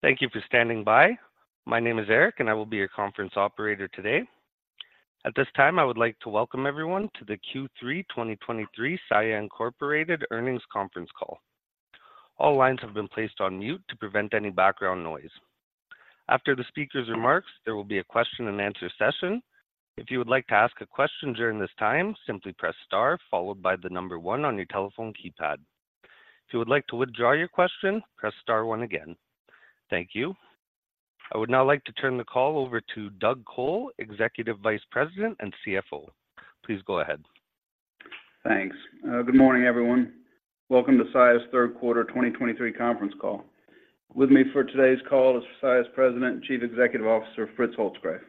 Thank you for standing by. My name is Eric, and I will be your conference operator today. At this time, I would like to welcome everyone to the Q3 2023 Saia Incorporated Earnings Conference Call. All lines have been placed on mute to prevent any background noise. After the speaker's remarks, there will be a question and answer session. If you would like to ask a question during this time, simply press star followed by the number one on your telephone keypad. If you would like to withdraw your question, press star one again. Thank you. I would now like to turn the call over to Doug Col, Executive Vice President and CFO. Please go ahead. Thanks. Good morning, everyone. Welcome to Saia's third quarter 2023 conference call. With me for today's call is Saia's President and Chief Executive Officer, Fritz Holzgrefe.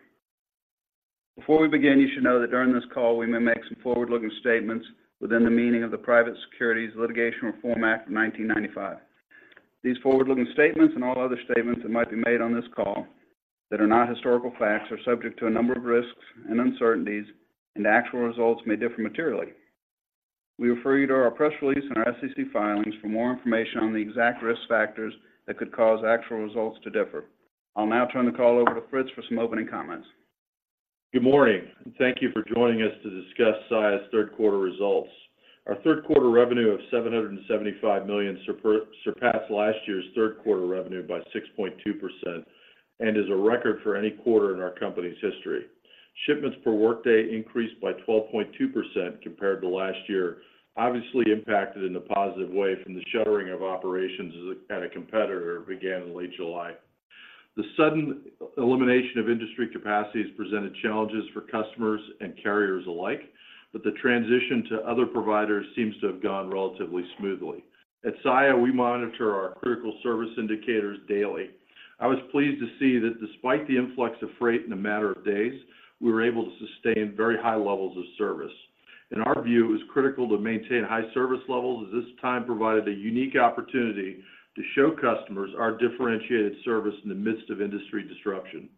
Before we begin, you should know that during this call, we may make some forward-looking statements within the meaning of the Private Securities Litigation Reform Act of 1995. These forward-looking statements and all other statements that might be made on this call that are not historical facts, are subject to a number of risks and uncertainties, and actual results may differ materially. We refer you to our press release and our SEC filings for more information on the exact risk factors that could cause actual results to differ. I'll now turn the call over to Fritz for some opening comments. Good morning, and thank you for joining us to discuss Saia's third quarter results. Our third quarter revenue of $775 million surpassed last year's third quarter revenue by 6.2%, and is a record for any quarter in our company's history. Shipments per workday increased by 12.2% compared to last year, obviously impacted in a positive way from the shuttering of operations as at a competitor began in late July. The sudden elimination of industry capacity has presented challenges for customers and carriers alike, but the transition to other providers seems to have gone relatively smoothly. At Saia, we monitor our critical service indicators daily. I was pleased to see that despite the influx of freight in a matter of days, we were able to sustain very high levels of service. In our view, it was critical to maintain high service levels, as this time provided a unique opportunity to show customers our differentiated service in the midst of industry disruption.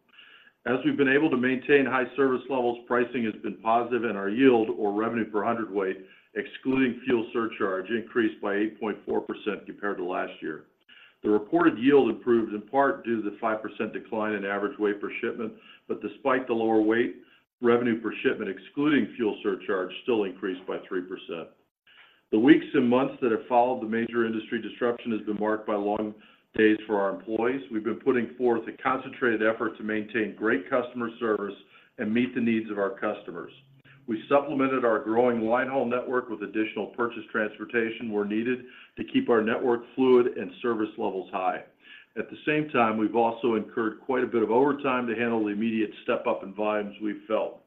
As we've been able to maintain high service levels, pricing has been positive, and our yield or revenue per hundredweight, excluding fuel surcharge, increased by 8.4% compared to last year. The reported yield improved in part due to the 5% decline in average weight per shipment, but despite the lower weight, revenue per shipment, excluding fuel surcharge, still increased by 3%. The weeks and months that have followed the major industry disruption has been marked by long days for our employees. We've been putting forth a concentrated effort to maintain great customer service and meet the needs of our customers. We supplemented our growing linehaul network with additional purchased transportation where needed to keep our network fluid and service levels high. At the same time, we've also incurred quite a bit of overtime to handle the immediate step-up in volumes we've felt.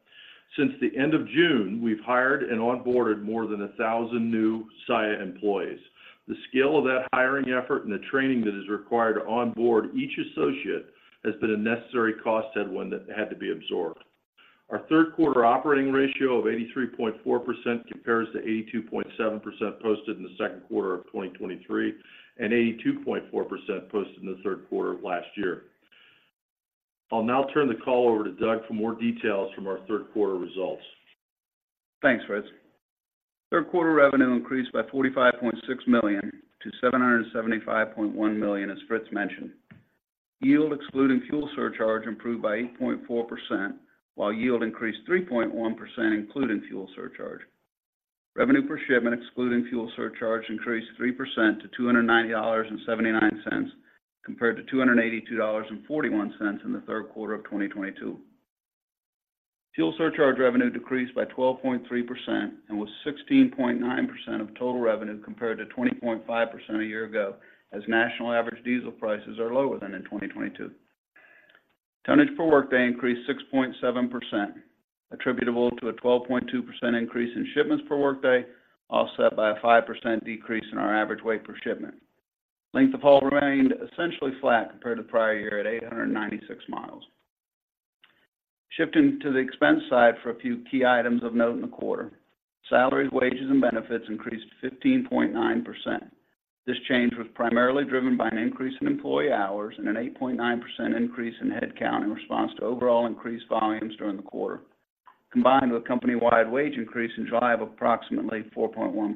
Since the end of June, we've hired and onboarded more than 1,000 new Saia employees. The scale of that hiring effort and the training that is required to onboard each associate has been a necessary cost headwind that had to be absorbed. Our third quarter operating ratio of 83.4% compares to 82.7% posted in the second quarter of 2023, and 82.4% posted in the third quarter of last year. I'll now turn the call over to Doug for more details from our third quarter results. Thanks, Fritz. Third quarter revenue increased by $45.6 million to $775.1 million, as Fritz mentioned. Yield, excluding fuel surcharge, improved by 8.4%, while yield increased 3.1%, including fuel surcharge. Revenue per shipment, excluding fuel surcharge, increased 3% to $290.79, compared to $282.41 in the third quarter of 2022. Fuel surcharge revenue decreased by 12.3% and was 16.9% of total revenue, compared to 20.5% a year ago, as national average diesel prices are lower than in 2022. Tonnage per workday increased 6.7%, attributable to a 12.2% increase in shipments per workday, offset by a 5% decrease in our average weight per shipment. Length of Haul remained essentially flat compared to the prior year at 896 miles. Shifting to the expense side for a few key items of note in the quarter. Salaries, wages, and benefits increased 15.9%. This change was primarily driven by an increase in employee hours and an 8.9% increase in headcount in response to overall increased volumes during the quarter, combined with a company-wide wage increase in July of approximately 4.1%.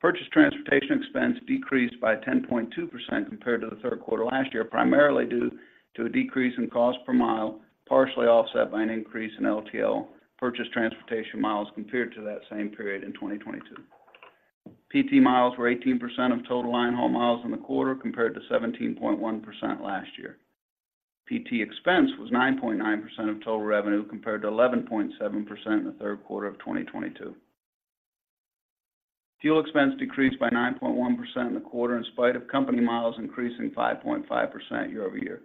Purchased transportation expense decreased by 10.2% compared to the third quarter last year, primarily due to a decrease in cost per mile, partially offset by an increase in LTL purchased transportation miles compared to that same period in 2022. PT miles were 18% of total Linehaul miles in the quarter, compared to 17.1% last year. PT expense was 9.9% of total revenue, compared to 11.7% in the third quarter of 2022. Fuel expense decreased by 9.1% in the quarter, in spite of company miles increasing 5.5% year-over-year.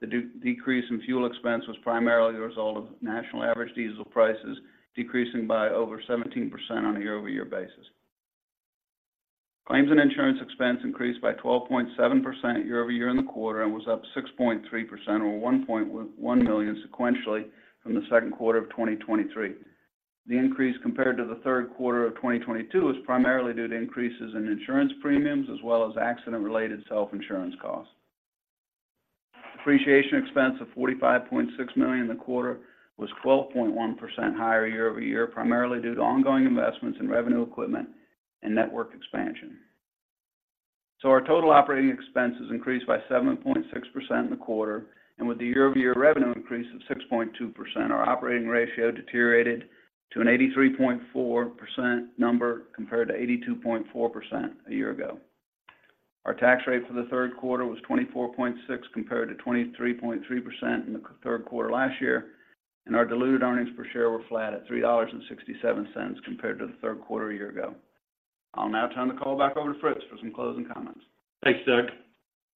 The decrease in fuel expense was primarily a result of national average diesel prices decreasing by over 17% on a year-over-year basis. Claims and insurance expense increased by 12.7% year-over-year in the quarter and was up 6.3%, or $1.1 million sequentially from the second quarter of 2023. The increase compared to the third quarter of 2022 is primarily due to increases in insurance premiums, as well as accident-related self-insurance costs. Depreciation expense of $45.6 million in the quarter was 12.1% higher year-over-year, primarily due to ongoing investments in revenue equipment and network expansion. So our total operating expenses increased by 7.6% in the quarter, and with the year-over-year revenue increase of 6.2%, our operating ratio deteriorated to an 83.4% number, compared to 82.4% a year ago. Our tax rate for the third quarter was 24.6%, compared to 23.3% in the third quarter last year, and our diluted earnings per share were flat at $3.67 compared to the third quarter a year ago. I'll now turn the call back over to Fritz for some closing comments. Thanks, Doug.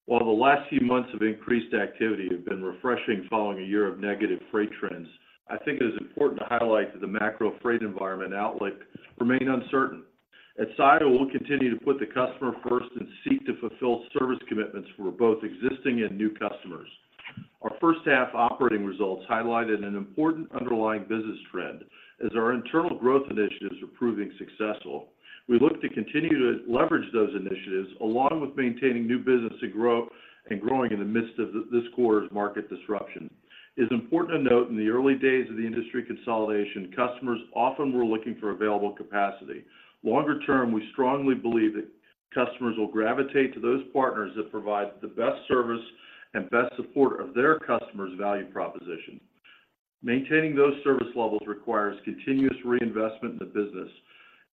While the last few months of increased activity have been refreshing following a year of negative freight trends, I think it is important to highlight that the macro freight environment outlook remain uncertain. At Saia, we'll continue to put the customer first and seek to fulfill service commitments for both existing and new customers. Our first half operating results highlighted an important underlying business trend, as our internal growth initiatives are proving successful. We look to continue to leverage those initiatives, along with maintaining new business to grow, and growing in the midst of this quarter's market disruption. It's important to note, in the early days of the industry consolidation, customers often were looking for available capacity. Longer term, we strongly believe that customers will gravitate to those partners that provide the best service and best support of their customer's value proposition. Maintaining those service levels requires continuous reinvestment in the business.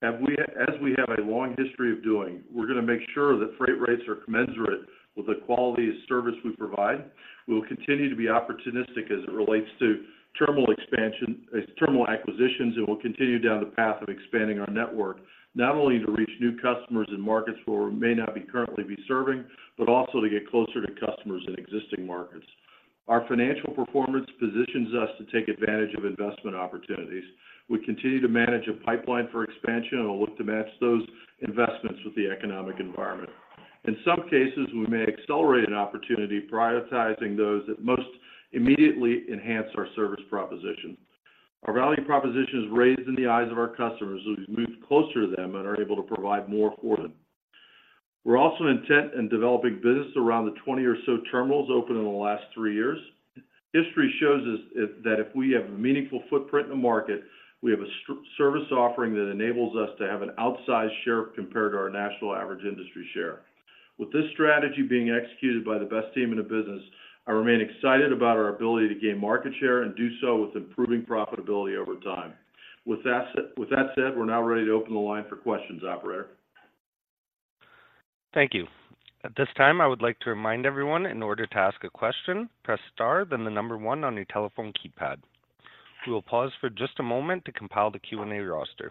As we have a long history of doing, we're going to make sure that freight rates are commensurate with the quality of service we provide. We will continue to be opportunistic as it relates to terminal expansion, terminal acquisitions, and we'll continue down the path of expanding our network, not only to reach new customers in markets where we may not be currently be serving, but also to get closer to customers in existing markets. Our financial performance positions us to take advantage of investment opportunities. We continue to manage a pipeline for expansion, and we'll look to match those investments with the economic environment. In some cases, we may accelerate an opportunity, prioritizing those that most immediately enhance our service proposition. Our value proposition is raised in the eyes of our customers, as we've moved closer to them and are able to provide more for them. We're also intent in developing business around the 20 or so terminals opened in the last three years. History shows us that if we have a meaningful footprint in the market, we have a strong service offering that enables us to have an outsized share compared to our national average industry share. With this strategy being executed by the best team in the business, I remain excited about our ability to gain market share and do so with improving profitability over time. With that said, with that said, we're now ready to open the line for questions, operator. Thank you. At this time, I would like to remind everyone, in order to ask a question, press Star, then the number one on your telephone keypad. We will pause for just a moment to compile the Q&A roster.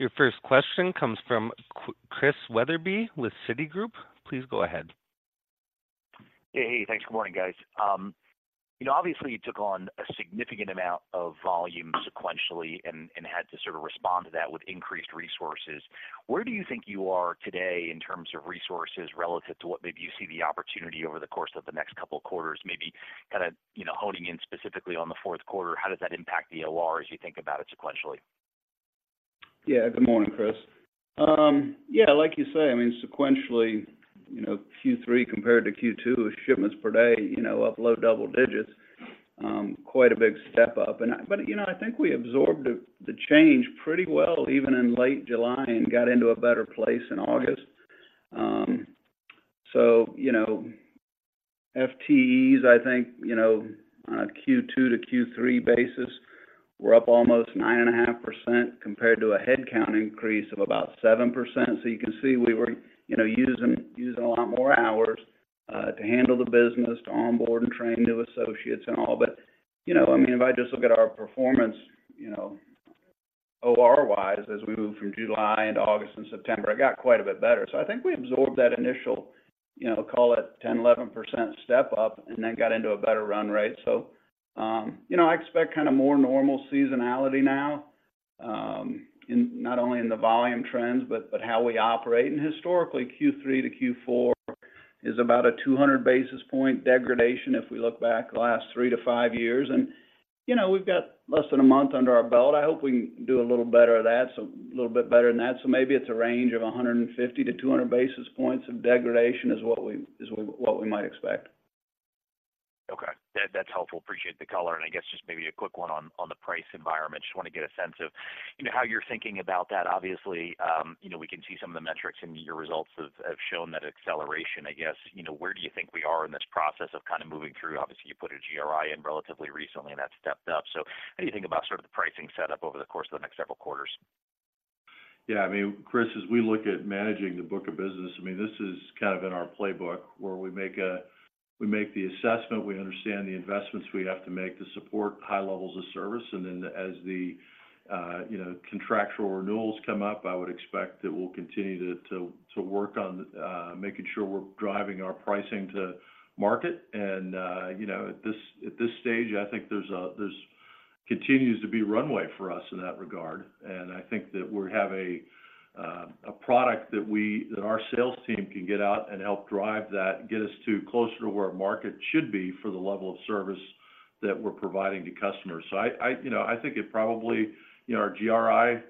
Your first question comes from Chris Wetherbee with Citigroup. Please go ahead. Hey, hey, thanks. Good morning, guys. You know, obviously, you took on a significant amount of volume sequentially and had to sort of respond to that with increased resources. Where do you think you are today in terms of resources relative to what maybe you see the opportunity over the course of the next couple of quarters? Maybe kind of, you know, honing in specifically on the fourth quarter, how does that impact the OR as you think about it sequentially? Yeah, good morning, Chris. Yeah, like you say, I mean, sequentially, you know, Q3 compared to Q2, shipments per day, you know, up low double digits, quite a big step up. But, you know, I think we absorbed the change pretty well, even in late July, and got into a better place in August. So, you know, FTEs, I think, you know, on a Q2-Q3 basis, were up almost 9.5%, compared to a headcount increase of about 7%. So you can see we were, you know, using a lot more hours to handle the business, to onboard and train new associates and all. But, you know, I mean, if I just look at our performance, you know, OR-wise, as we moved from July into August and September, it got quite a bit better. So I think we absorbed that initial, you know, call it 10, 11% step up and then got into a better run rate. So, you know, I expect kind of more normal seasonality now, in not only in the volume trends, but, but how we operate. And historically, Q3-Q4 is about a 200 basis point degradation, if we look back the last three to five years. And, you know, we've got less than a month under our belt. I hope we can do a little better at that, so a little bit better than that. So maybe it's a range of 150-200 basis points of degradation is what we, is what we, what we might expect. Okay. That, that's helpful. Appreciate the color, and I guess just maybe a quick one on, on the price environment. Just want to get a sense of, you know, how you're thinking about that. Obviously, you know, we can see some of the metrics, and your results have, have shown that acceleration. I guess, you know, where do you think we are in this process of kind of moving through? Obviously, you put a GRI in relatively recently, and that's stepped up. So how do you think about sort of the pricing set up over the course of the next several quarters? Yeah, I mean, Chris, as we look at managing the book of business, I mean, this is kind of in our playbook, where we make the assessment, we understand the investments we have to make to support high levels of service, and then as the, you know, contractual renewals come up, I would expect that we'll continue to work on making sure we're driving our pricing to market. And, you know, at this stage, I think there's continues to be runway for us in that regard. And I think that we have a product that our sales team can get out and help drive that, get us to closer to where our market should be for the level of service-... that we're providing to customers. So I, you know, I think it probably, you know, our GRI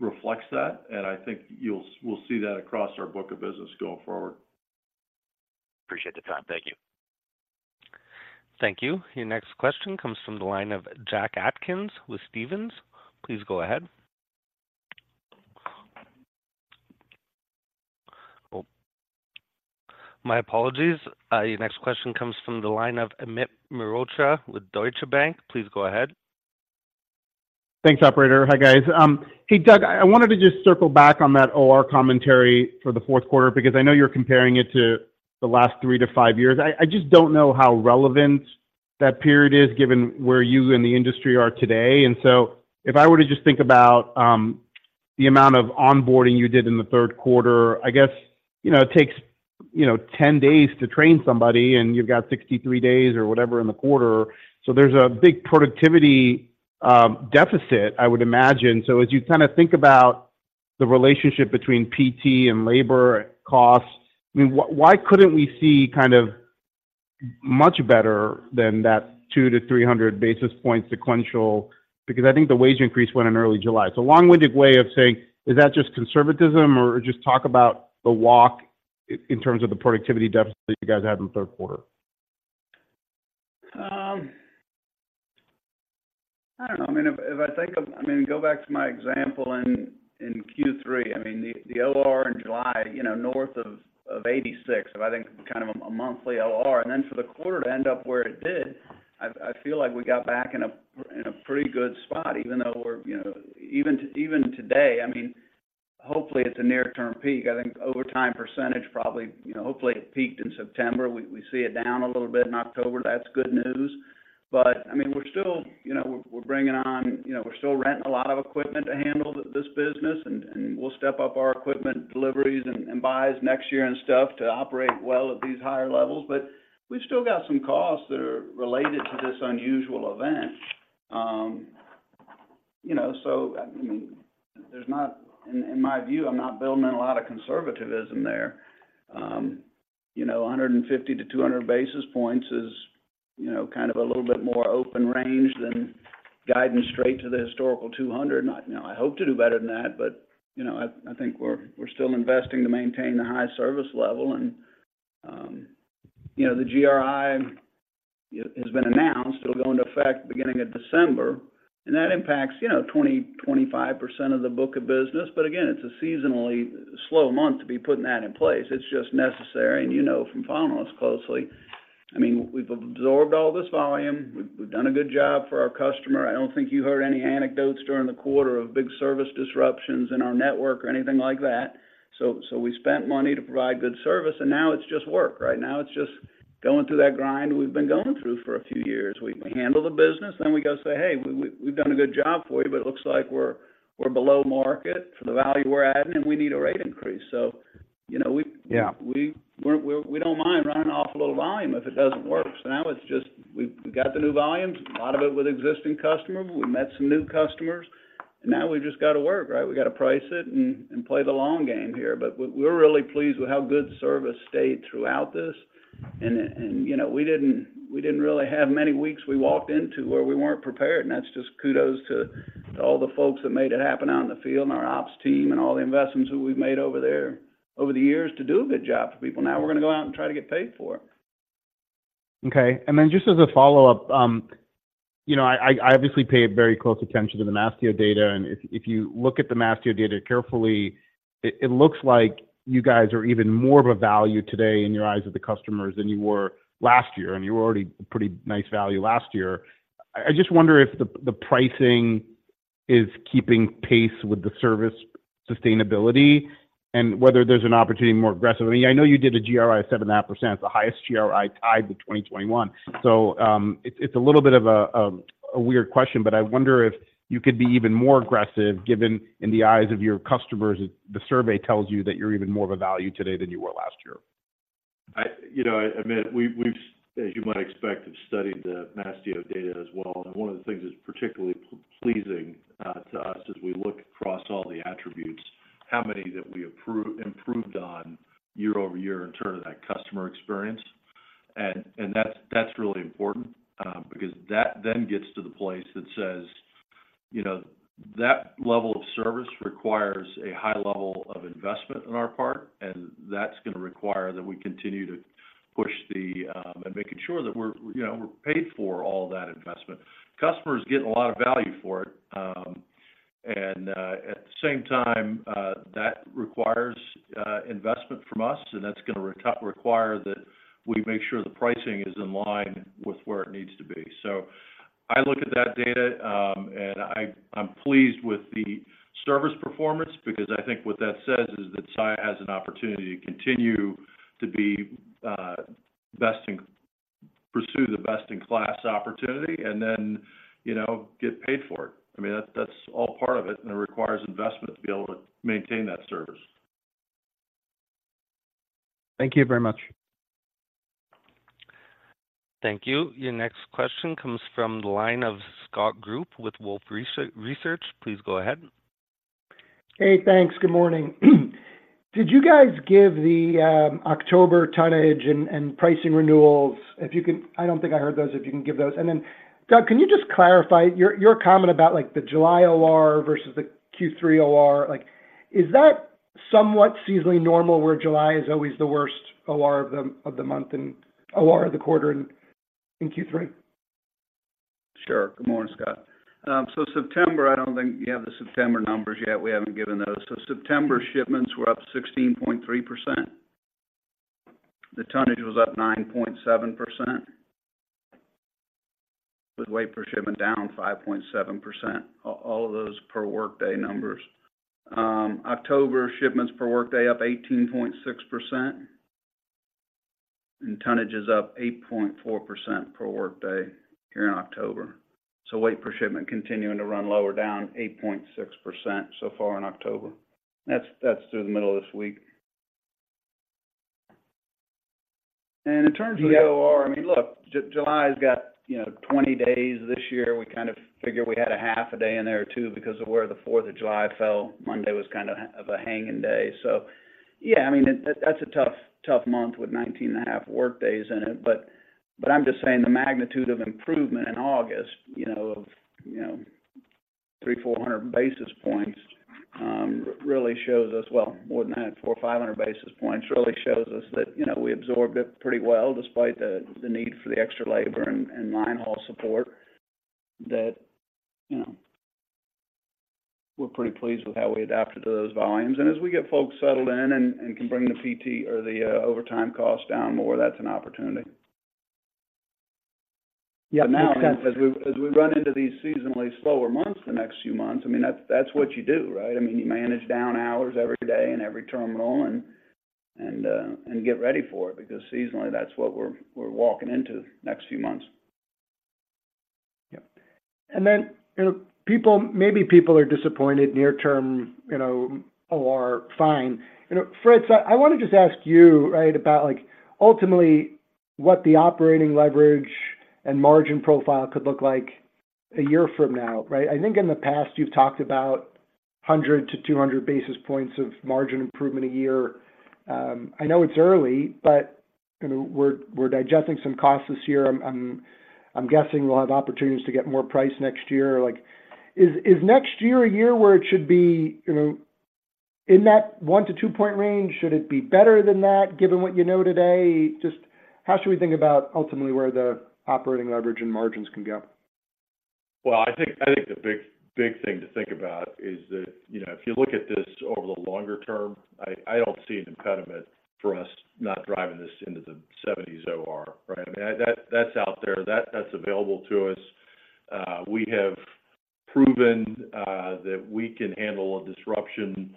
reflects that, and I think you'll, we'll see that across our book of business going forward. Appreciate the time. Thank you. Thank you. Your next question comes from the line of Jack Atkins with Stephens. Please go ahead. Oh, my apologies. Your next question comes from the line of Amit Mehrotra with Deutsche Bank. Please go ahead. Thanks, operator. Hi, guys. Hey, Doug, I wanted to just circle back on that OR commentary for the fourth quarter, because I know you're comparing it to the last three to five years. I just don't know how relevant that period is, given where you and the industry are today. So if I were to just think about the amount of onboarding you did in the third quarter, I guess you know it takes 10 days to train somebody, and you've got 63 days or whatever in the quarter. So there's a big productivity deficit, I would imagine. So as you kind of think about the relationship between PT and labor costs, I mean, why couldn't we see kind of much better than that 200-300 basis points sequential? Because I think the wage increase went in early July. So long-winded way of saying, is that just conservatism, or just talk about the walk in terms of the productivity deficit you guys had in the third quarter? I don't know. I mean, if I think of—I mean, go back to my example in Q3, I mean, the OR in July, you know, north of 86, I think, kind of a monthly OR. And then for the quarter to end up where it did, I feel like we got back in a pretty good spot, even though we're, you know, even today, I mean, hopefully, it's a near-term peak. I think overtime percentage probably, you know, hopefully it peaked in September. We see it down a little bit in October. That's good news. But, I mean, we're still, you know, we're bringing on, you know, we're still renting a lot of equipment to handle this business, and we'll step up our equipment deliveries and buys next year and stuff to operate well at these higher levels. But we've still got some costs that are related to this unusual event. So, I mean, there's not, in my view, I'm not building in a lot of conservatism there. 150-200 basis points is, you know, kind of a little bit more open range than guiding straight to the historical 200. Now, I hope to do better than that, but, you know, I think we're still investing to maintain the high service level. And the GRI has been announced. It'll go into effect beginning of December, and that impacts, you know, 25% of the book of business. But again, it's a seasonally slow month to be putting that in place. It's just necessary, and you know from following us closely. I mean, we've absorbed all this volume. We've, we've done a good job for our customer. I don't think you heard any anecdotes during the quarter of big service disruptions in our network or anything like that. So, so we spent money to provide good service, and now it's just work, right? Now, it's just going through that grind we've been going through for a few years. We handle the business, then we go say, "Hey, we've done a good job for you, but it looks like we're below market for the value we're adding, and we need a rate increase." So you know, we- Yeah... we don't mind running off a little volume if it doesn't work. So now it's just we've got the new volumes, a lot of it with existing customers. We met some new customers, and now we've just got to work, right? We got to price it and play the long game here. But we're really pleased with how good service stayed throughout this. And you know, we didn't really have many weeks we walked into where we weren't prepared, and that's just kudos to all the folks that made it happen out in the field, and our ops team, and all the investments that we've made over there over the years to do a good job for people. Now, we're going to go out and try to get paid for it. Okay. And then just as a follow-up, you know, I obviously pay very close attention to the Mastio data, and if you look at the Mastio data carefully, it looks like you guys are even more of a value today in your eyes of the customers than you were last year, and you were already a pretty nice value last year. I just wonder if the pricing is keeping pace with the service sustainability and whether there's an opportunity more aggressive. I mean, I know you did a GRI of 7.5%, the highest GRI tied with 2021. So, it's a little bit of a weird question, but I wonder if you could be even more aggressive, given in the eyes of your customers, the survey tells you that you're even more of a value today than you were last year. You know, Amit, we've, as you might expect, studied the Mastio data as well, and one of the things that's particularly pleasing to us as we look across all the attributes, how many that we improved on year over year in terms of that customer experience. And that's really important because that then gets to the place that says, you know, that level of service requires a high level of investment on our part, and that's going to require that we continue to push the... and making sure that we're, you know, we're paid for all that investment. Customers get a lot of value for it, and at the same time, that requires investment from us, and that's going to require that we make sure the pricing is in line with where it needs to be. So I look at that data, and I, I'm pleased with the service performance, because I think what that says is that SCI has an opportunity to continue to be, pursue the best-in-class opportunity and then, you know, get paid for it. I mean, that's, that's all part of it, and it requires investment to be able to maintain that service. Thank you very much. Thank you. Your next question comes from the line of Scott Group with Wolfe Research. Please go ahead.... Hey, thanks. Good morning. Did you guys give the October tonnage and pricing renewals? If you could... I don't think I heard those, if you can give those. And then, Doug, can you just clarify your comment about, like, the July OR versus the Q3 OR? Like, is that somewhat seasonally normal, where July is always the worst OR of the month and OR of the quarter in Q3? Sure. Good morning, Scott. So September, I don't think you have the September numbers yet. We haven't given those. So September shipments were up 16.3%. The tonnage was up 9.7%, with weight per shipment down 5.7%. All, all of those per workday numbers. October shipments per workday up 18.6%, and tonnage is up 8.4% per workday here in October. So weight per shipment continuing to run lower, down 8.6% so far in October. That's, that's through the middle of this week. And in terms of the OR, I mean, look, July's got 20 days this year. We kind of figured we had a half a day in there or two because of where the Fourth of July fell. Monday was kind of a hanging day. So yeah, I mean, that's a tough, tough month with 19.5 workdays in it. But I'm just saying the magnitude of improvement in August, you know, of 300-400 basis points, really shows us... Well, more than that, 400-500 basis points, really shows us that, you know, we absorbed it pretty well, despite the need for the extra labor and linehaul support, that, you know, we're pretty pleased with how we adapted to those volumes. And as we get folks settled in and can bring the PT or the overtime cost down more, that's an opportunity. Yeah, makes sense. As we run into these seasonally slower months, the next few months, I mean, that's what you do, right? I mean, you manage down hours every day in every terminal and get ready for it because seasonally, that's what we're walking into the next few months. Yep. And then, you know, people—maybe people are disappointed near term, you know, OR fine. You know, Fritz, I want to just ask you, right, about, like, ultimately, what the operating leverage and margin profile could look like a year from now, right? I think in the past, you've talked about 100-200 basis points of margin improvement a year. I know it's early, but, you know, we're digesting some costs this year. I'm guessing we'll have opportunities to get more price next year. Like, is next year a year where it should be, you know, in that 1-2-point range? Should it be better than that, given what you know today? Just how should we think about ultimately where the operating leverage and margins can go? Well, I think the big thing to think about is that, you know, if you look at this over the longer term, I don't see an impediment for us not driving this into the seventies OR, right? I mean, that's out there. That's available to us. We have proven that we can handle a disruption,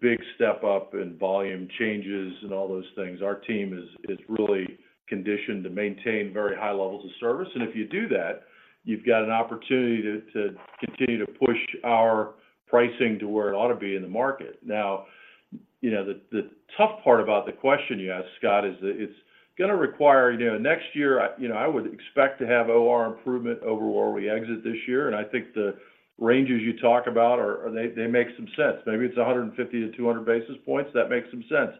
big step up in volume changes and all those things. Our team is really conditioned to maintain very high levels of service. And if you do that, you've got an opportunity to continue to push our pricing to where it ought to be in the market. Now, you know, the tough part about the question you asked, Scott, is that it's going to require... You know, next year, I, you know, I would expect to have OR improvement over where we exit this year, and I think the ranges you talk about are- are- they, they make some sense. Maybe it's 150-200 basis points. That makes some sense.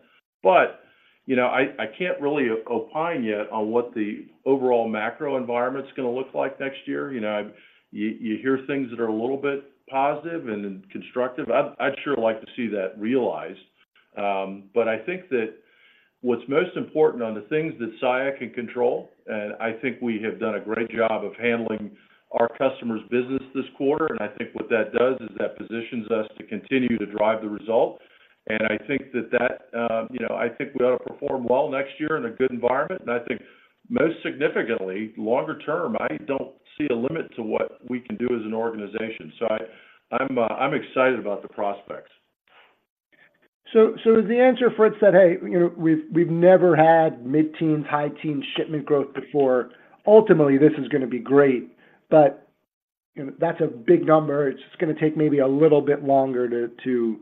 You know, I, I can't really opine yet on what the overall macro environment is going to look like next year. You know, I've- you, you hear things that are a little bit positive and constructive. I'd, I'd sure like to see that realized. I think that what's most important on the things that Saia can control, and I think we have done a great job of handling our customers' business this quarter, and I think what that does is that positions us to continue to drive the results. And I think that that, you know, I think we ought to perform well next year in a good environment. And I think most significantly, longer term, I don't see a limit to what we can do as an organization. So I, I'm, I'm excited about the prospects. So, is the answer, Fritz, that, hey, you know, we've never had mid-teens, high teen shipment growth before. Ultimately, this is going to be great, but, you know, that's a big number. It's just going to take maybe a little bit longer to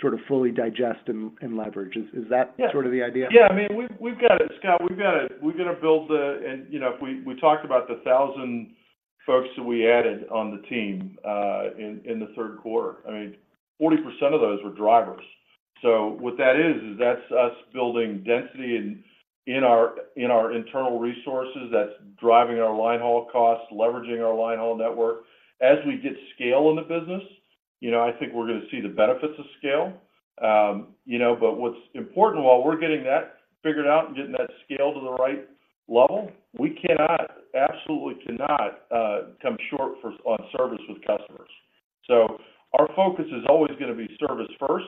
sort of fully digest and leverage. Is that- Yeah - sort of the idea? Yeah, I mean, we've, we've got it, Scott. We've got to... We're going to build the... And, you know, if we, we talked about the 1,000 folks that we added on the team in the third quarter. I mean, 40% of those were drivers. So what that is, is that's us building density in our internal resources. That's driving our linehaul costs, leveraging our linehaul network. As we get scale in the business, you know, I think we're going to see the benefits of scale. You know, but what's important while we're getting that figured out and getting that scale to the right level, we cannot, absolutely cannot, come short on service with customers. Our focus is always going to be service first,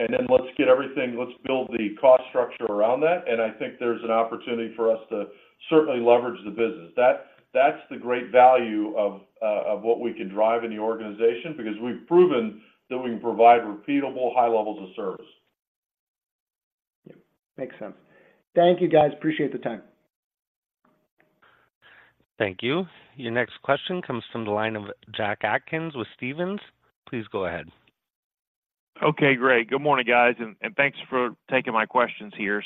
and then let's get everything- let's build the cost structure around that, and I think there's an opportunity for us to certainly leverage the business. That, that's the great value of what we can drive in the organization, because we've proven that we can provide repeatable high levels of service. Yep, makes sense. Thank you, guys. Appreciate the time. Thank you. Your next question comes from the line of Jack Atkins with Stevens. Please go ahead. Okay, great. Good morning, guys, and thanks for taking my questions here.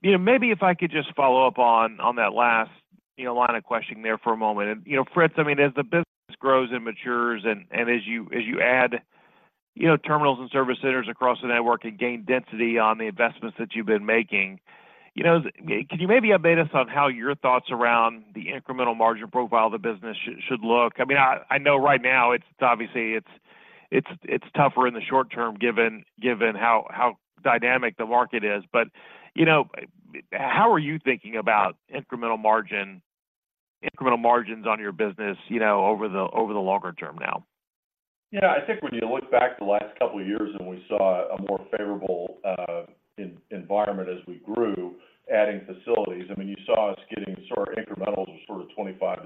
You know, maybe if I could just follow up on that last, you know, line of questioning there for a moment. You know, Fritz, I mean, as the business grows and matures, and as you add, you know, terminals and service centers across the network and gain density on the investments that you've been making, you know, can you maybe update us on how your thoughts around the incremental margin profile of the business should look? I mean, I know right now it's obviously tougher in the short term, given how dynamic the market is. But, you know, how are you thinking about incremental margins on your business, you know, over the longer term now? Yeah, I think when you look back the last couple of years, and we saw a more favorable environment as we grew, adding facilities, I mean, you saw us getting sort of incrementals of sort of 25%-30%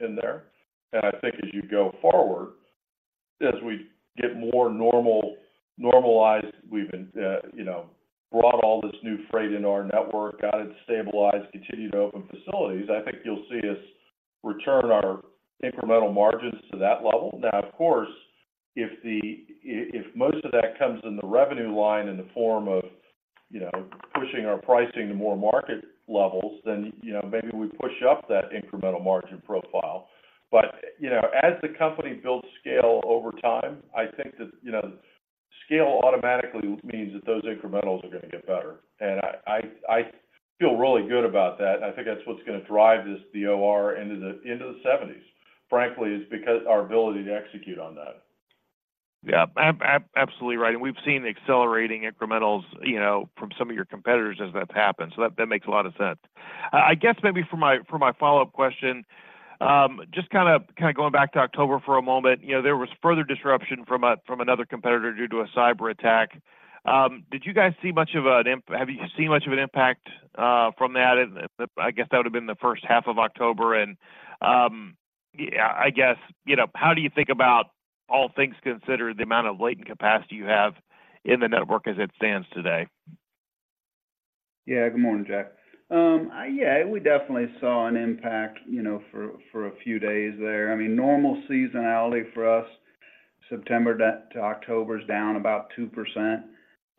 in there. And I think as you go forward, as we get more normalized, we've been, you know, brought all this new freight into our network, got it stabilized, continued to open facilities, I think you'll see us return our incremental margins to that level. Now, of course, if most of that comes in the revenue line in the form of, you know, pushing our pricing to more market levels, then, you know, maybe we push up that incremental margin profile. But, you know, as the company builds scale over time, I think that, you know, scale automatically means that those incrementals are going to get better. And I feel really good about that, and I think that's what's going to drive this OR into the 70. Frankly, it's because our ability to execute on that. Yeah. Absolutely right. And we've seen accelerating incrementals, you know, from some of your competitors as that's happened. So that, that makes a lot of sense. I guess maybe for my, for my follow-up question, just kind of, kind of going back to October for a moment, you know, there was further disruption from a- from another competitor due to a cyberattack. Did you guys see much of an impact, have you seen much of an impact, from that? And I guess that would have been the first half of October, and, yeah, I guess, you know, how do you think about, all things considered, the amount of latent capacity you have in the network as it stands today? Yeah. Good morning, Jack. Yeah, we definitely saw an impact, you know, for a few days there. I mean, normal seasonality for us, September to October is down about 2%,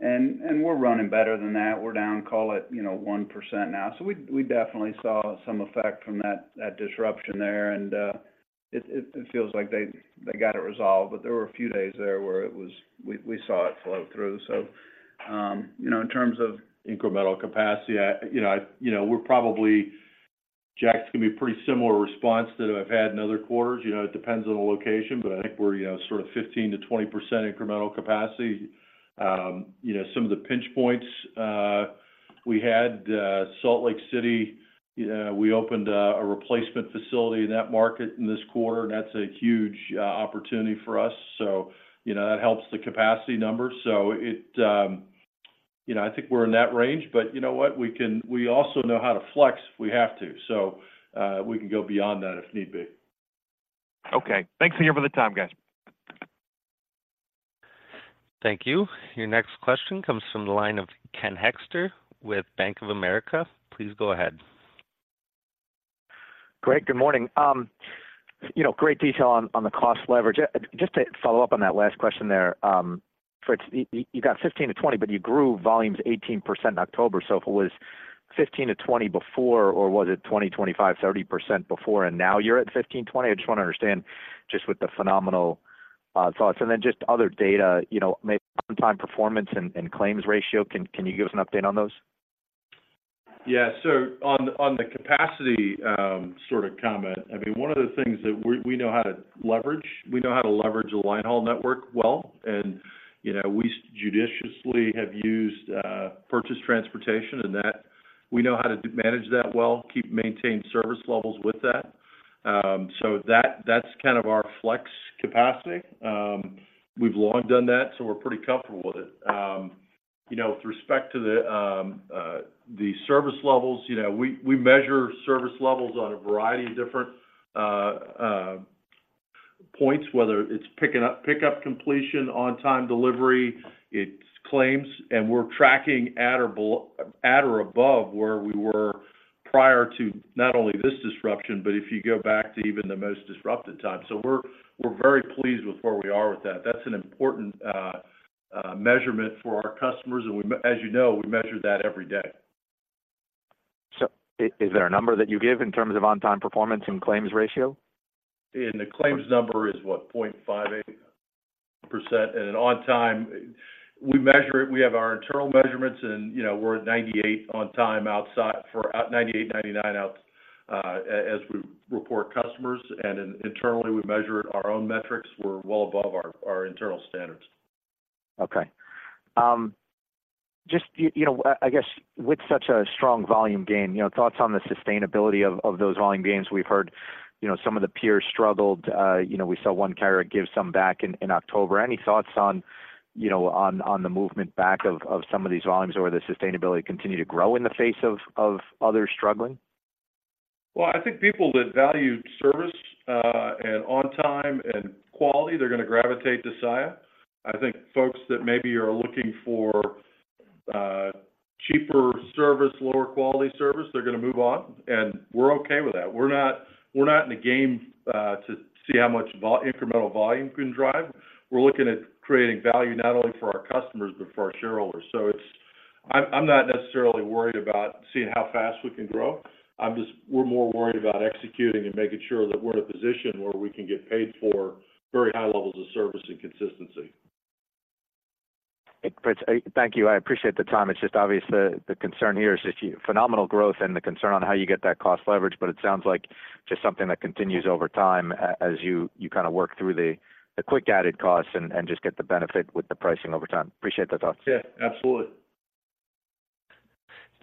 and we're running better than that. We're down, call it, you know, 1% now. So we definitely saw some effect from that disruption there, and it feels like they got it resolved, but there were a few days there where it was... We saw it flow through. So, You know, in terms of incremental capacity, I, you know, we're probably, Jack, it's going to be a pretty similar response that I've had in other quarters. You know, it depends on the location, but I think we're, you know, sort of 15%-20% incremental capacity. You know, some of the pinch points, we had Salt Lake City, we opened a replacement facility in that market in this quarter, and that's a huge opportunity for us. So, you know, that helps the capacity numbers. So it, you know, I think we're in that range, but you know what? We can also know how to flex if we have to, so, we can go beyond that if need be. Okay. Thanks again for the time, guys. Thank you. Your next question comes from the line of Ken Hoexter with Bank of America. Please go ahead. Great. Good morning. You know, great detail on the cost leverage. Just to follow up on that last question there, Fritz, you got 15-20, but you grew volumes 18% in October. So if it was 15-20 before, or was it 20, 25, 30% before, and now you're at 15, 20? I just want to understand just with the phenomenal thoughts, and then just other data, you know, maybe on time performance and claims ratio. Can you give us an update on those? Yeah. So on the capacity, sort of comment, I mean, one of the things that we know how to leverage, we know how to leverage a line haul network well, and, you know, we judiciously have used purchase transportation, and that we know how to manage that well, keep maintaining service levels with that. So that, that's kind of our flex capacity. We've long done that, so we're pretty comfortable with it. You know, with respect to the service levels, you know, we measure service levels on a variety of different points, whether it's pickup completion, on-time delivery, it's claims, and we're tracking at or above where we were prior to not only this disruption, but if you go back to even the most disrupted time. So we're very pleased with where we are with that. That's an important measurement for our customers, and as you know, we measure that every day. So is there a number that you give in terms of on-time performance and claims ratio? The claims number is, what? 0.58%. On time, we measure it. We have our internal measurements, and, you know, we're at 98 on time, outside for 98, 99 out, as we report customers, and internally, we measure it. Our own metrics, we're well above our internal standards. Okay. Just, you know, I guess with such a strong volume gain, you know, thoughts on the sustainability of those volume gains. We've heard, you know, some of the peers struggled. You know, we saw one carrier give some back in October. Any thoughts on, you know, on the movement back of some of these volumes or the sustainability continue to grow in the face of others struggling? Well, I think people that value service, and on time and quality, they're going to gravitate to Saia. I think folks that maybe are looking for, cheaper service, lower quality service, they're going to move on, and we're okay with that. We're not, we're not in the game, to see how much incremental volume we can drive. We're looking at creating value not only for our customers, but for our shareholders. So it's, I'm, I'm not necessarily worried about seeing how fast we can grow. I'm just, we're more worried about executing and making sure that we're in a position where we can get paid for very high levels of service and consistency. Fritz, thank you. I appreciate the time. It's just obvious the concern here is just your phenomenal growth and the concern on how you get that cost leverage, but it sounds like just something that continues over time as you kind of work through the quick added costs and just get the benefit with the pricing over time. Appreciate the thoughts. Yeah, absolutely.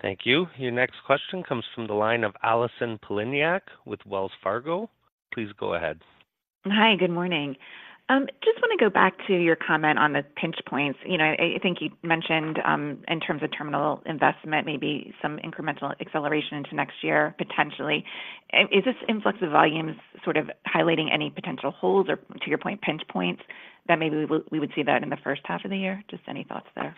Thank you. Your next question comes from the line of Allison Poliniak with Wells Fargo. Please go ahead. Hi, good morning. Just want to go back to your comment on the pinch points. You know, I think you mentioned in terms of terminal investment, maybe some incremental acceleration into next year, potentially. Is this influx of volumes sort of highlighting any potential holes or, to your point, pinch points, that maybe we would see that in the first half of the year? Just any thoughts there?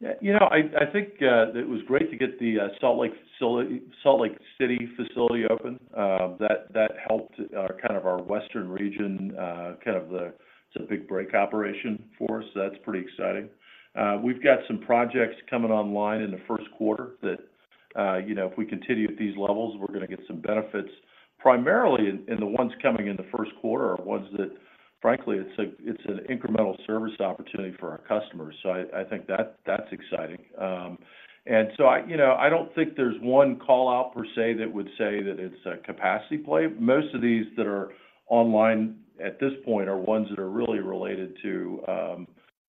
Yeah, you know, I think it was great to get the Salt Lake City facility open. That helped kind of our Western region. It's a big break operation for us, so that's pretty exciting. We've got some projects coming online in the first quarter that, you know, if we continue at these levels, we're going to get some benefits, primarily in the ones coming in the first quarter are ones that, frankly, it's an incremental service opportunity for our customers. So I think that's exciting. And so I, you know, I don't think there's one call-out per se that would say that it's a capacity play. Most of these that are online at this point are ones that are really related to,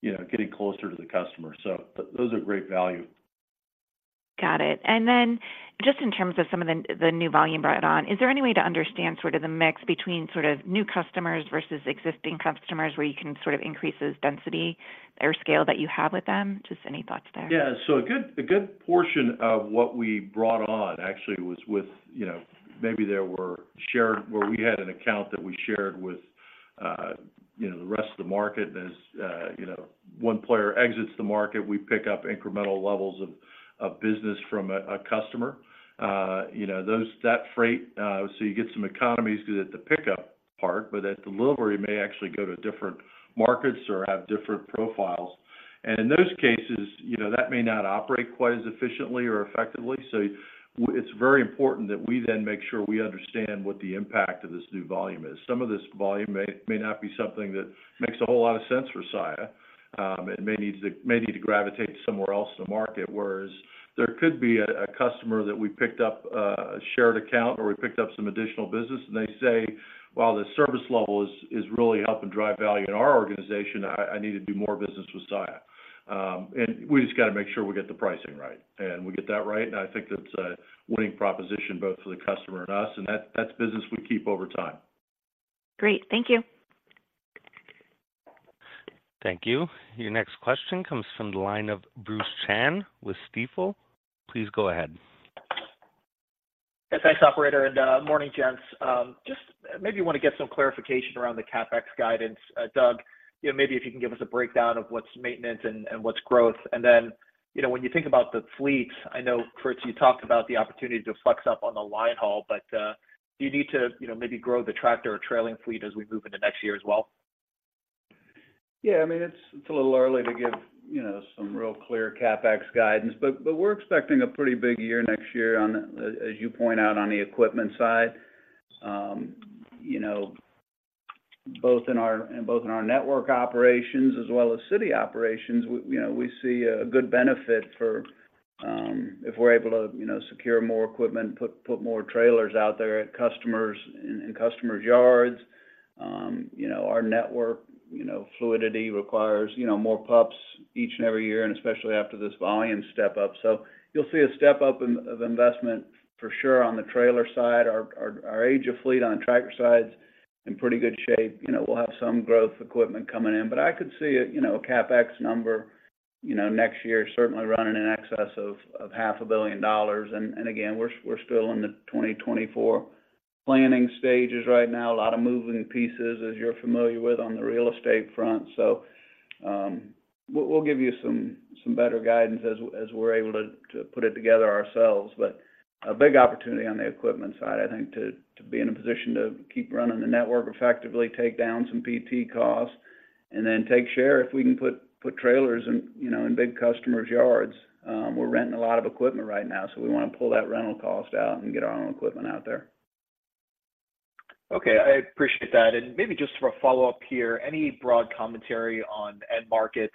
you know, getting closer to the customer, so but those are great value. Got it. And then just in terms of some of the new volume brought on, is there any way to understand sort of the mix between sort of new customers versus existing customers, where you can sort of increase this density or scale that you have with them? Just any thoughts there? Yeah. So a good portion of what we brought on actually was with, you know, maybe there were shared—where we had an account that we shared with, you know, the rest of the market. And as, you know, one player exits the market, we pick up incremental levels of business from a customer. You know, that freight, so you get some economies at the pickup part, but at the delivery, may actually go to different markets or have different profiles. And in those cases, you know, that may not operate quite as efficiently or effectively. So it's very important that we then make sure we understand what the impact of this new volume is. Some of this volume may or may not be something that makes a whole lot of sense for Saia. It may need to gravitate somewhere else in the market. Whereas, there could be a customer that we picked up a shared account, or we picked up some additional business, and they say, "Well, the service level is really helping drive value in our organization. I need to do more business with Saia." And we just got to make sure we get the pricing right, and we get that right, and I think that's a winning proposition both for the customer and us, and that's business we keep over time. Great. Thank you. Thank you. Your next question comes from the line of Bruce Chan with Stifel. Please go ahead. Yes, thanks, operator, and morning, gents. Just maybe want to get some clarification around the CapEx guidance. Doug, you know, maybe if you can give us a breakdown of what's maintenance and what's growth. And then, you know, when you think about the fleet, I know, Fritz, you talked about the opportunity to flex up on the line haul, but do you need to, you know, maybe grow the tractor or trailer fleet as we move into next year as well? Yeah, I mean, it's a little early to give, you know, some real clear CapEx guidance, but we're expecting a pretty big year next year on the, as you point out, on the equipment side. You know, both in our network operations as well as city operations, you know, we see a good benefit for, if we're able to, you know, secure more equipment, put more trailers out there at customers, in customer yards. You know, our network, you know, fluidity requires, you know, more pups each and every year, and especially after this volume step up. So you'll see a step up in investment for sure on the trailer side. Our age of fleet on the tractor side is in pretty good shape. You know, we'll have some growth equipment coming in, but I could see a, you know, CapEx number, you know, next year, certainly running in excess of half a billion dollars. And again, we're still in the 2024 planning stages right now. A lot of moving pieces, as you're familiar with, on the real estate front. So, we'll give you some better guidance as we're able to put it together ourselves. But a big opportunity on the equipment side, I think, to be in a position to keep running the network effectively, take down some PT costs, and then take share if we can put trailers in, you know, in big customers' yards. We're renting a lot of equipment right now, so we want to pull that rental cost out and get our own equipment out there. Okay, I appreciate that. Maybe just for a follow-up here, any broad commentary on end markets,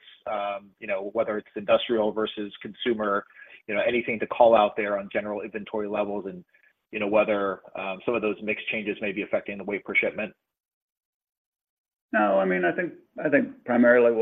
you know, whether it's industrial versus consumer, you know, anything to call out there on general inventory levels and, you know, whether some of those mix changes may be affecting the weight per shipment? No, I mean, I think primarily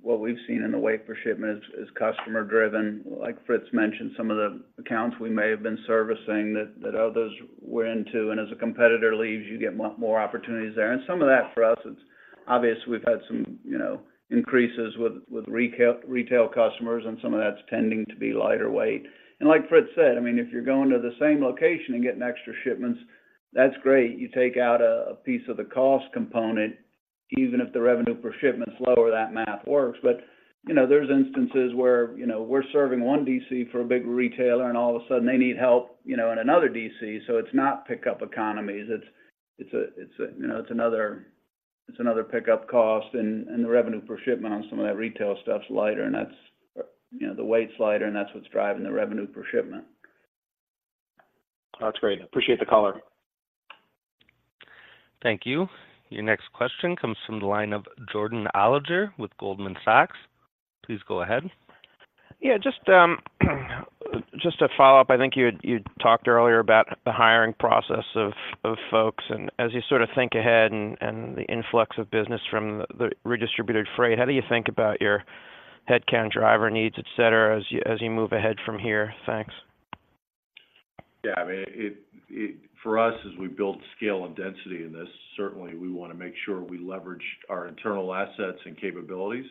what we've seen in the weight per shipment is customer driven. Like Fritz mentioned, some of the accounts we may have been servicing that others were into, and as a competitor leaves, you get more opportunities there. And some of that for us, it's obvious we've had some, you know, increases with retail customers, and some of that's tending to be lighter weight. And like Fritz said, I mean, if you're going to the same location and getting extra shipments, that's great. You take out a piece of the cost component, even if the revenue per shipment is lower, that math works. But, you know, there are instances where, you know, we're serving one DC for a big retailer, and all of a sudden they need help, you know, in another DC, so it's not pickup economies. It's a, you know, it's another-... It's another pickup cost, and, and the revenue per shipment on some of that retail stuff's lighter, and that's, you know, the weight's lighter, and that's what's driving the revenue per shipment. That's great. Appreciate the color. Thank you. Your next question comes from the line of Jordan Alliger with Goldman Sachs. Please go ahead. Yeah, just, just to follow up, I think you talked earlier about the hiring process of folks, and as you sort of think ahead and the influx of business from the redistributed freight, how do you think about your headcount driver needs, et cetera, as you move ahead from here? Thanks. Yeah, I mean, it-- for us, as we build scale and density in this, certainly we want to make sure we leverage our internal assets and capabilities.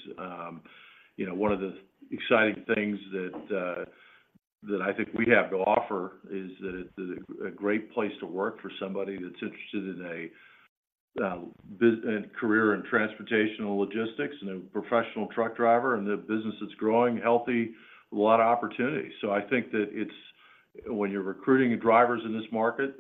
You know, one of the exciting things that that I think we have to offer is that it's a great place to work for somebody that's interested in a career in transportation and logistics, and a professional truck driver, and the business that's growing healthy, a lot of opportunities. So I think that it's... When you're recruiting drivers in this market,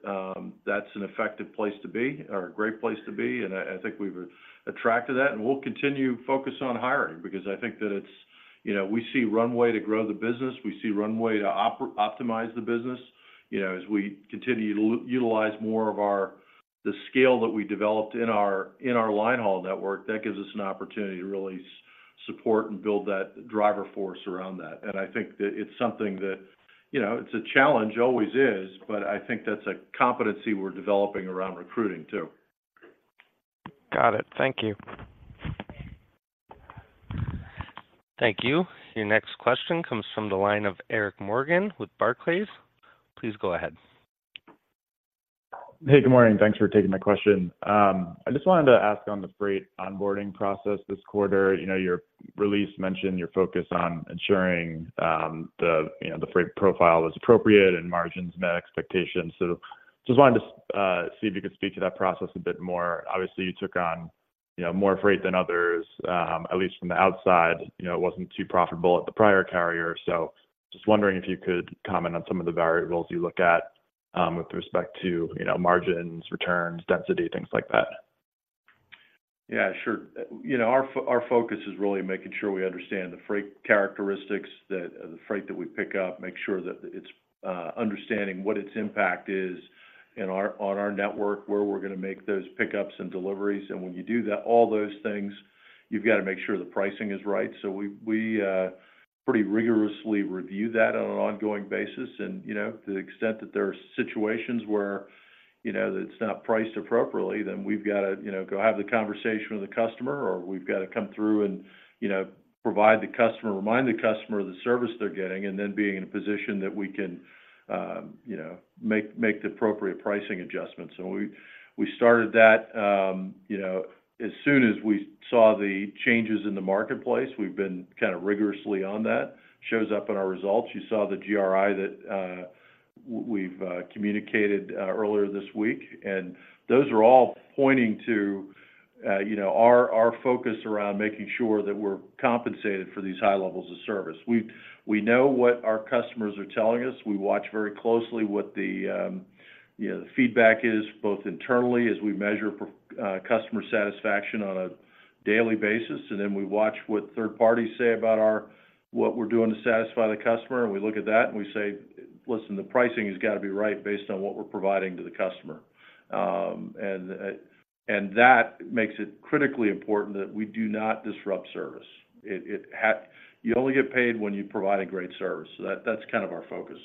that's an effective place to be or a great place to be, and I think we've attracted that, and we'll continue to focus on hiring because I think that it's, you know, we see runway to grow the business, we see runway to optimize the business. You know, as we continue to utilize more of our, the scale that we developed in our, in our linehaul network, that gives us an opportunity to really support and build that driver force around that. And I think that it's something that, you know, it's a challenge, always is, but I think that's a competency we're developing around recruiting, too. Got it. Thank you. Thank you. Your next question comes from the line of Eric Morgan with Barclays. Please go ahead. Hey, good morning. Thanks for taking my question. I just wanted to ask on the freight onboarding process this quarter, you know, your release mentioned your focus on ensuring, you know, the freight profile was appropriate and margins met expectations. So just wanted to see if you could speak to that process a bit more. Obviously, you took on, you know, more freight than others, at least from the outside. You know, it wasn't too profitable at the prior carrier. So just wondering if you could comment on some of the variables you look at, with respect to, you know, margins, returns, density, things like that. Yeah, sure. You know, our focus is really making sure we understand the freight characteristics that, the freight that we pick up, make sure that it's understanding what its impact is on our network, where we're going to make those pickups and deliveries. And when you do that, all those things, you've got to make sure the pricing is right. So we pretty rigorously review that on an ongoing basis. And, you know, to the extent that there are situations where, you know, that it's not priced appropriately, then we've got to, you know, go have the conversation with the customer, or we've got to come through and, you know, provide the customer, remind the customer of the service they're getting, and then being in a position that we can, you know, make the appropriate pricing adjustments. So we, we started that, you know, as soon as we saw the changes in the marketplace. We've been kind of rigorously on that. Shows up in our results. You saw the GRI that we've communicated earlier this week, and those are all pointing to, you know, our, our focus around making sure that we're compensated for these high levels of service. We, we know what our customers are telling us. We watch very closely what the, you know, the feedback is, both internally as we measure customer satisfaction on a daily basis, and then we watch what third parties say about our... What we're doing to satisfy the customer, and we look at that, and we say, "Listen, the pricing has got to be right based on what we're providing to the customer." That makes it critically important that we do not disrupt service. You only get paid when you provide a great service. So that's kind of our focus.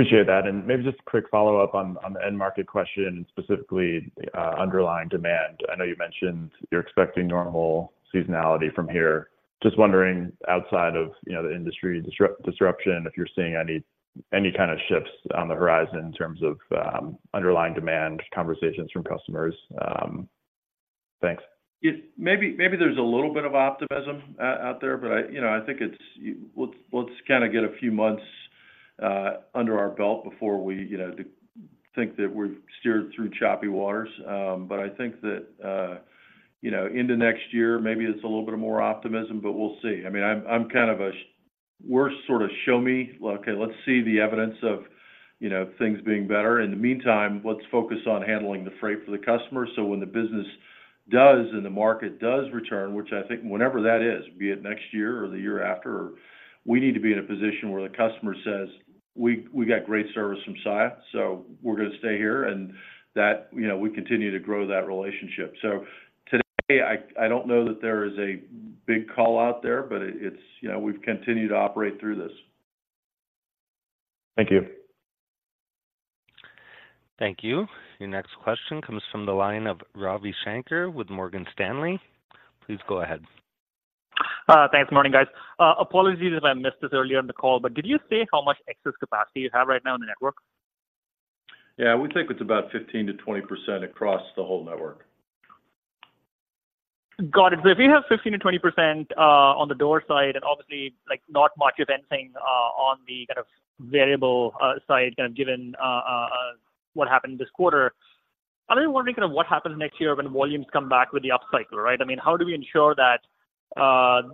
Appreciate that. Maybe just a quick follow-up on the end market question, specifically underlying demand. I know you mentioned you're expecting normal seasonality from here. Just wondering, outside of, you know, the industry disruption, if you're seeing any kind of shifts on the horizon in terms of underlying demand, conversations from customers. Thanks. Yeah. Maybe, maybe there's a little bit of optimism out there, but I, you know, I think it's. Let's, let's kind of get a few months under our belt before we, you know, to think that we've steered through choppy waters. But I think that, you know, into next year, maybe it's a little bit of more optimism, but we'll see. I mean, I'm, I'm kind of. We're sort of show me. Okay, let's see the evidence of, you know, things being better. In the meantime, let's focus on handling the freight for the customer, so when the business does and the market does return, which I think whenever that is, be it next year or the year after, we need to be in a position where the customer says, "We got great service from Saia, so we're going to stay here," and that, you know, we continue to grow that relationship. So today, I don't know that there is a big call out there, but it's, you know, we've continued to operate through this. Thank you. Thank you. Your next question comes from the line of Ravi Shanker with Morgan Stanley. Please go ahead. Thanks. Morning, guys. Apologies if I missed this earlier in the call, but did you say how much excess capacity you have right now in the network? Yeah, we think it's about 15%-20% across the whole network. Got it. So if you have 15%-20% on the door side, and obviously, like, not much of anything on the kind of variable side, kind of given what happened this quarter, I'm wondering kind of what happens next year when volumes come back with the upcycle, right? I mean, how do we ensure that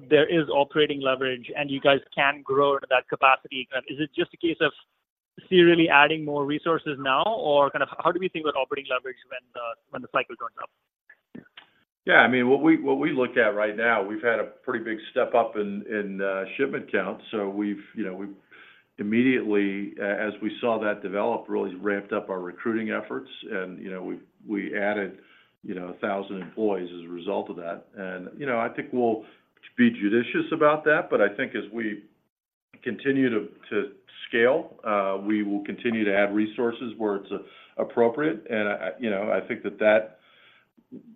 there is operating leverage, and you guys can grow into that capacity? Is it just a case of really adding more resources now? Or kind of how do we think about operating leverage when the cycle turns up? Yeah, I mean, what we look at right now, we've had a pretty big step up in shipment counts. We've, you know, we've immediately, as we saw that develop, really ramped up our recruiting efforts. You know, we added 1,000 employees as a result of that. I think we'll be judicious about that, but I think as we continue to scale, we will continue to add resources where it's appropriate. I, you know, I think that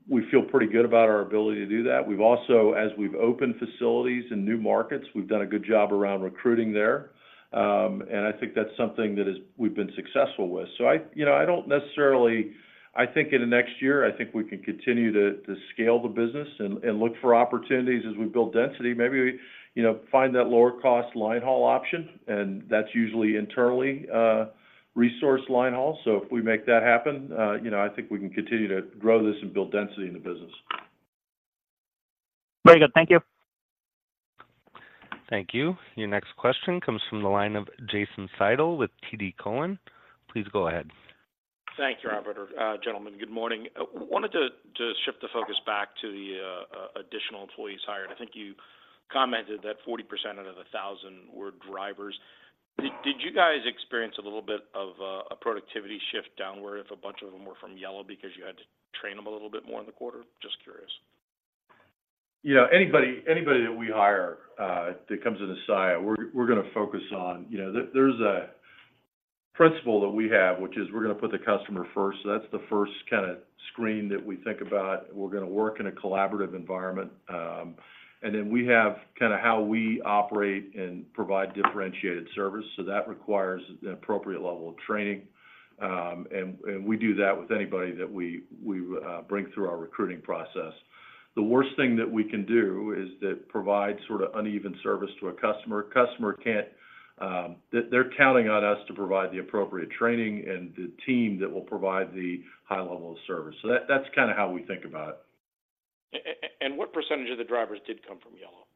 we feel pretty good about our ability to do that. We've also, as we've opened facilities in new markets, done a good job around recruiting there. I think that's something that we've been successful with. I, you know, I don't necessarily... I think in the next year, I think we can continue to scale the business and look for opportunities as we build density. Maybe, you know, find that lower cost line haul option, and that's usually internally resource line haul. So if we make that happen, you know, I think we can continue to grow this and build density in the business. Very good. Thank you. Thank you. Your next question comes from the line of Jason Seidl with TD Cowen. Please go ahead. Thank you, operator. Gentlemen, good morning. Wanted to shift the focus back to the additional employees hired. I think you commented that 40% out of the 1,000 were drivers. Did you guys experience a little bit of a productivity shift downward if a bunch of them were from Yellow because you had to train them a little bit more in the quarter? Just curious. Yeah, anybody that we hire that comes into Saia, we're gonna focus on. You know, there's a principle that we have, which is we're gonna put the customer first. So that's the first kinda screen that we think about. We're gonna work in a collaborative environment. And then we have kinda how we operate and provide differentiated service, so that requires an appropriate level of training. And we do that with anybody that we bring through our recruiting process. The worst thing that we can do is to provide sorta uneven service to a customer. A customer can't. They're counting on us to provide the appropriate training and the team that will provide the high level of service. So that's kinda how we think about it. What percentage of the drivers did come from Yellow?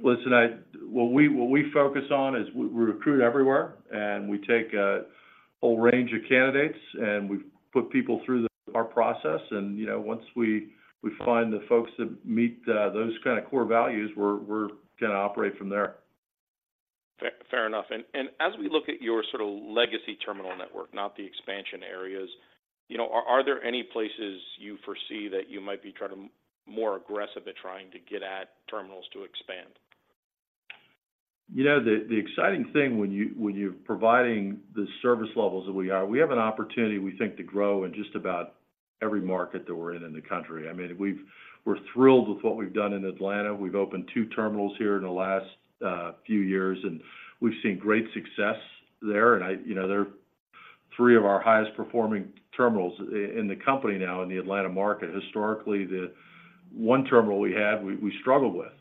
Listen, what we focus on is, we recruit everywhere, and we take a whole range of candidates, and we put people through our process. And, you know, once we find the folks that meet those kind of core values, we're gonna operate from there. Fair, fair enough. And as we look at your sort of legacy terminal network, not the expansion areas, you know, are there any places you foresee that you might be trying to more aggressive at trying to get at terminals to expand? You know, the exciting thing when you're providing the service levels that we are, we have an opportunity, we think, to grow in just about every market that we're in, in the country. I mean, we're thrilled with what we've done in Atlanta. We've opened two terminals here in the last few years, and we've seen great success there. And you know, they're three of our highest performing terminals in the company now, in the Atlanta market. Historically, the one terminal we had, we struggled with.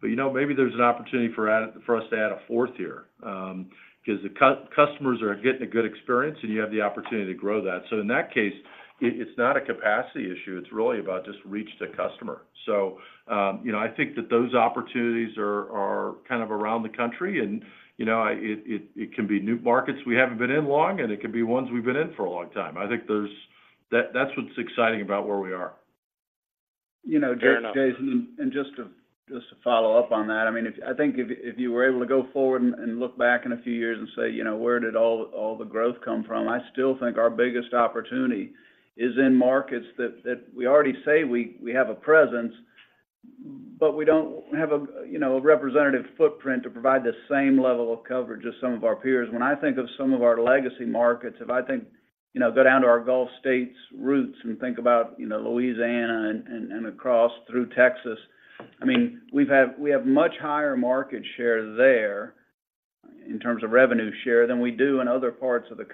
But you know, maybe there's an opportunity for us to add a fourth year, 'cause the customers are getting a good experience, and you have the opportunity to grow that. So in that case, it's not a capacity issue, it's really about just reach the customer. So, you know, I think that those opportunities are kind of around the country and, you know, it can be new markets we haven't been in long, and it can be ones we've been in for a long time. I think there's... That's what's exciting about where we are. Fair enough. You know, Jason, and just to follow up on that, I mean, I think if you were able to go forward and look back in a few years and say, "You know, where did all the growth come from?" I still think our biggest opportunity is in markets that we already have a presence, but we don't have, you know, a representative footprint to provide the same level of coverage as some of our peers. When I think of some of our legacy markets, you know, go down to our Gulf States routes and think about, you know, Louisiana and across through Texas, I mean, we have much higher market share there in terms of revenue share than we do in other parts of the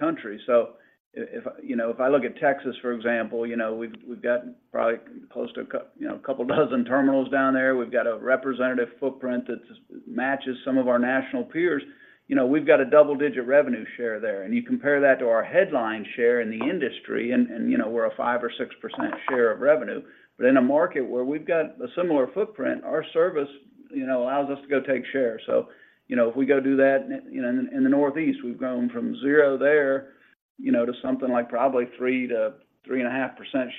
country. So if I look at Texas, for example, you know, we've got probably close to a couple dozen terminals down there. We've got a representative footprint that matches some of our national peers. You know, we've got a double-digit revenue share there, and you compare that to our headline share in the industry, and you know, we're a 5% or 6% share of revenue. But in a market where we've got a similar footprint, our service, you know, allows us to go take share. So, you know, if we go do that in, you know, in the Northeast, we've grown from zero there, you know, to something like probably 3%-3.5%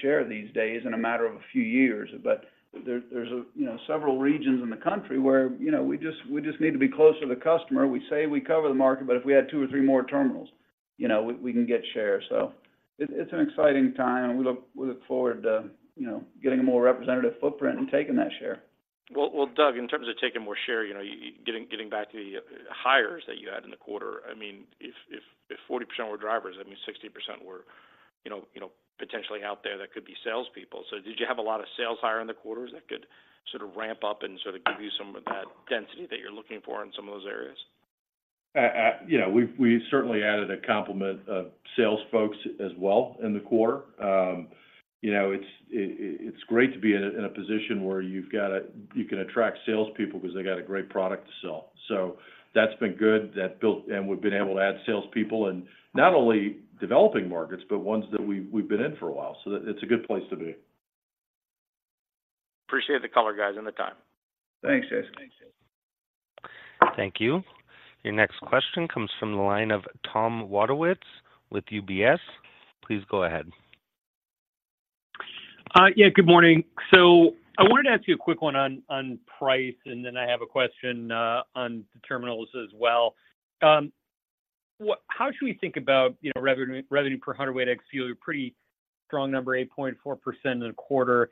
share these days in a matter of a few years. But there, there's you know, several regions in the country where, you know, we just, we just need to be closer to the customer. We say we cover the market, but if we had 2 or 3 more terminals, you know, we, we can get share. So it, it's an exciting time, and we look, we look forward to, you know, getting a more representative footprint and taking that share. Well, well, Doug, in terms of taking more share, you know, getting back to the hires that you had in the quarter, I mean, if 40% were drivers, I mean, 60% were, you know, potentially out there, that could be salespeople. So did you have a lot of sales hire in the quarter that could sort of ramp up and sort of give you some of that density that you're looking for in some of those areas? You know, we've certainly added a complement of sales folks as well in the quarter. You know, it's great to be in a position where you can attract salespeople 'cause they got a great product to sell. So that's been good. That built... And we've been able to add salespeople in not only developing markets, but ones that we've been in for a while. So it's a good place to be. Appreciate the color, guys, and the time. Thanks, Jason. Thank you. Your next question comes from the line of Tom Wadewitz with UBS. Please go ahead. Yeah, good morning. So I wanted to ask you a quick one on, on price, and then I have a question, on the terminals as well. What- how should we think about, you know, revenue, revenue per hundredweight ex-fuel? Pretty strong number, 8.4% in a quarter.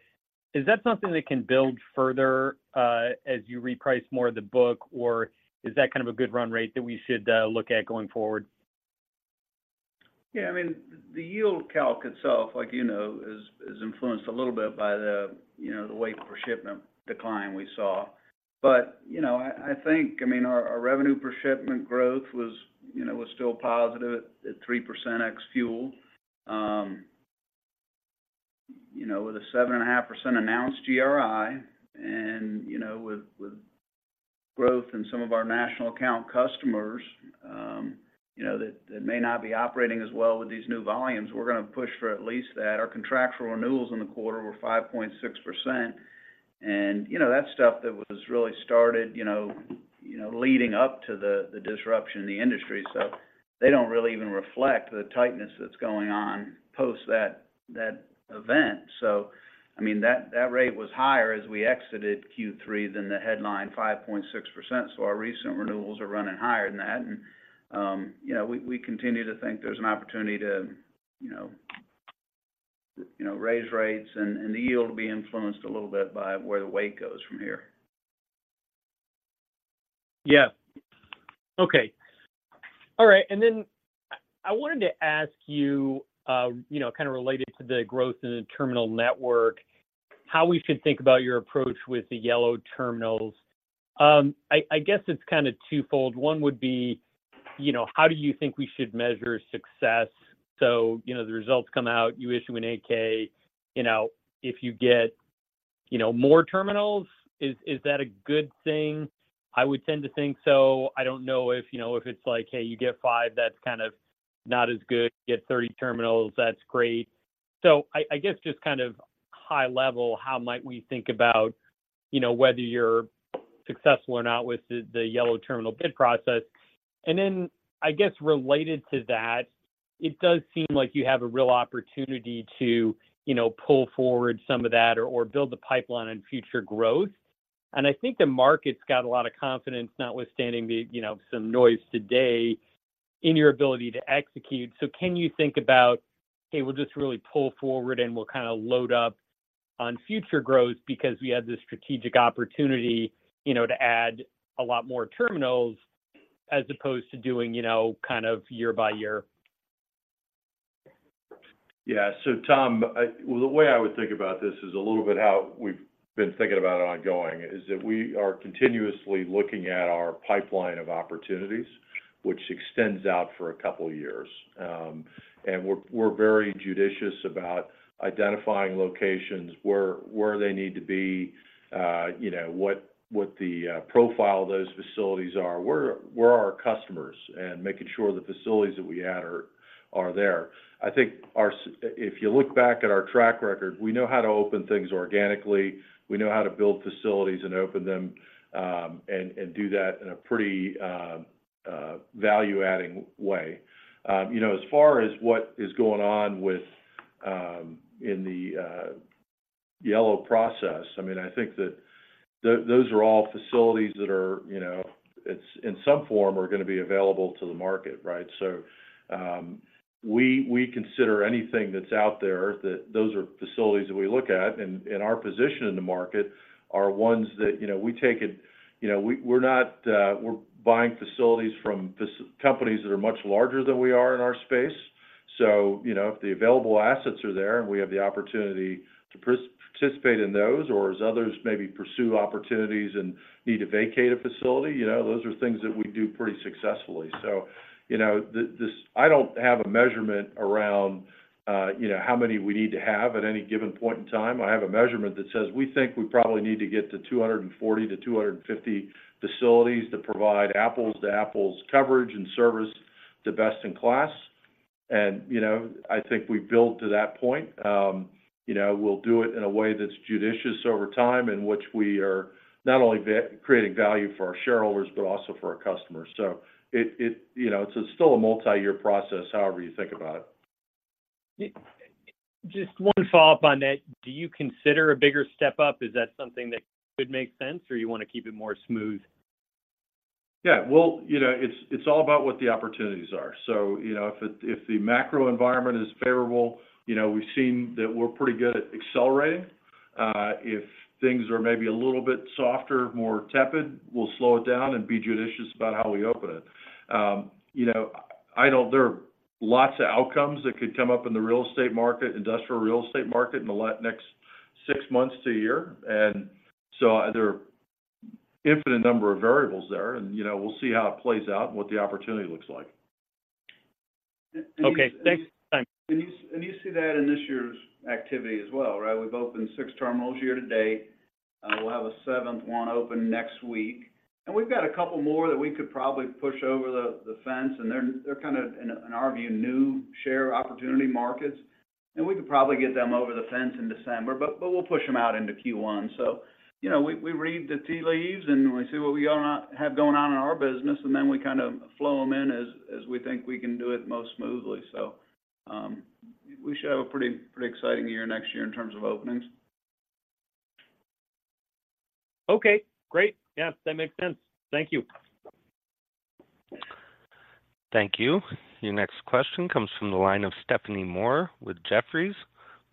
Is that something that can build further, as you reprice more of the book, or is that kind of a good run rate that we should, look at going forward? Yeah, I mean, the yield calc itself, like, you know, is influenced a little bit by the, you know, the weight per shipment decline we saw. But, you know, I think, I mean, our revenue per shipment growth was, you know, was still positive at 3% ex-fuel. You know, with a 7.5% announced GRI and, you know, with growth in some of our national account customers, you know, that may not be operating as well with these new volumes, we're going to push for at least that. Our contractual renewals in the quarter were 5.6%, and, you know, that's stuff that was really started, you know, you know, leading up to the disruption in the industry. So they don't really even reflect the tightness that's going on post that event. So I mean, that rate was higher as we exited Q3 than the headline 5.6%. So our recent renewals are running higher than that, and you know, we continue to think there's an opportunity to you know, you know, raise rates, and the yield will be influenced a little bit by where the weight goes from here. Yeah. Okay. All right. And then I wanted to ask you, you know, kind of related to the growth in the terminal network, how we should think about your approach with the Yellow terminals. I guess it's kind of twofold. One would be, you know, how do you think we should measure success? So, you know, the results come out, you issue a 8-K, you know, if you get, you know, more terminals, is that a good thing? I would tend to think so. I don't know if, you know, if it's like, hey, you get five, that's kind of not as good, you get 30 terminals, that's great. So I guess, just kind of high level, how might we think about, you know, whether you're successful or not with the Yellow terminal bid process? And then, I guess, related to that, it does seem like you have a real opportunity to, you know, pull forward some of that or build the pipeline in future growth. And I think the market's got a lot of confidence, notwithstanding the, you know, some noise today, in your ability to execute. So can you think about, hey, we'll just really pull forward, and we'll kind of load up on future growth because we have the strategic opportunity, you know, to add a lot more terminals as opposed to doing, you know, kind of year by year? Yeah. So Tom, well, the way I would think about this is a little bit how we've been thinking about it ongoing, is that we are continuously looking at our pipeline of opportunities, which extends out for a couple of years. And we're very judicious about identifying locations, where they need to be, you know, what the profile of those facilities are, where are our customers, and making sure the facilities that we add are there. I think if you look back at our track record, we know how to open things organically. We know how to build facilities and open them, and do that in a pretty value-adding way. You know, as far as what is going on with, you know, in the Yellow process, I mean, I think that those are all facilities that are, you know, in some form, are going to be available to the market, right? You know, we consider anything that's out there, that those are facilities that we look at, and our position in the market are ones that, you know, we take it, you know, we, we're not, we're buying facilities from companies that are much larger than we are in our space. You know, if the available assets are there, and we have the opportunity to participate in those, or as others maybe pursue opportunities and need to vacate a facility, you know, those are things that we do pretty successfully. So, you know, I don't have a measurement around, you know, how many we need to have at any given point in time. I have a measurement that says we think we probably need to get to 240-250 facilities to provide apples to apples coverage and service to best in class. And, you know, I think we've built to that point. You know, we'll do it in a way that's judicious over time, in which we are not only creating value for our shareholders, but also for our customers. So, it, you know, it's still a multi-year process, however you think about it. Just one follow-up on that. Do you consider a bigger step up? Is that something that could make sense, or you want to keep it more smooth? Yeah, well, you know, it's all about what the opportunities are. So, you know, if the macro environment is favorable, you know, we've seen that we're pretty good at accelerating. If things are maybe a little bit softer, more tepid, we'll slow it down and be judicious about how we open it. You know, I know there are lots of outcomes that could come up in the real estate market, industrial real estate market in the next six months to a year. And so there are infinite number of variables there, and, you know, we'll see how it plays out and what the opportunity looks like. Okay, thanks. Bye. And you, and you see that in this year's activity as well, right? We've opened six terminals year to date. We'll have a seventh one open next week.... And we've got a couple more that we could probably push over the fence, and they're kind of, in our view, new share opportunity markets. And we could probably get them over the fence in December, but we'll push them out into Q1. So, you know, we read the tea leaves, and we see what we all have going on in our business, and then we kind of flow them in as we think we can do it most smoothly. So, we should have a pretty exciting year next year in terms of openings. Okay, great. Yeah, that makes sense. Thank you. Thank you. Your next question comes from the line of Stephanie Moore with Jefferies.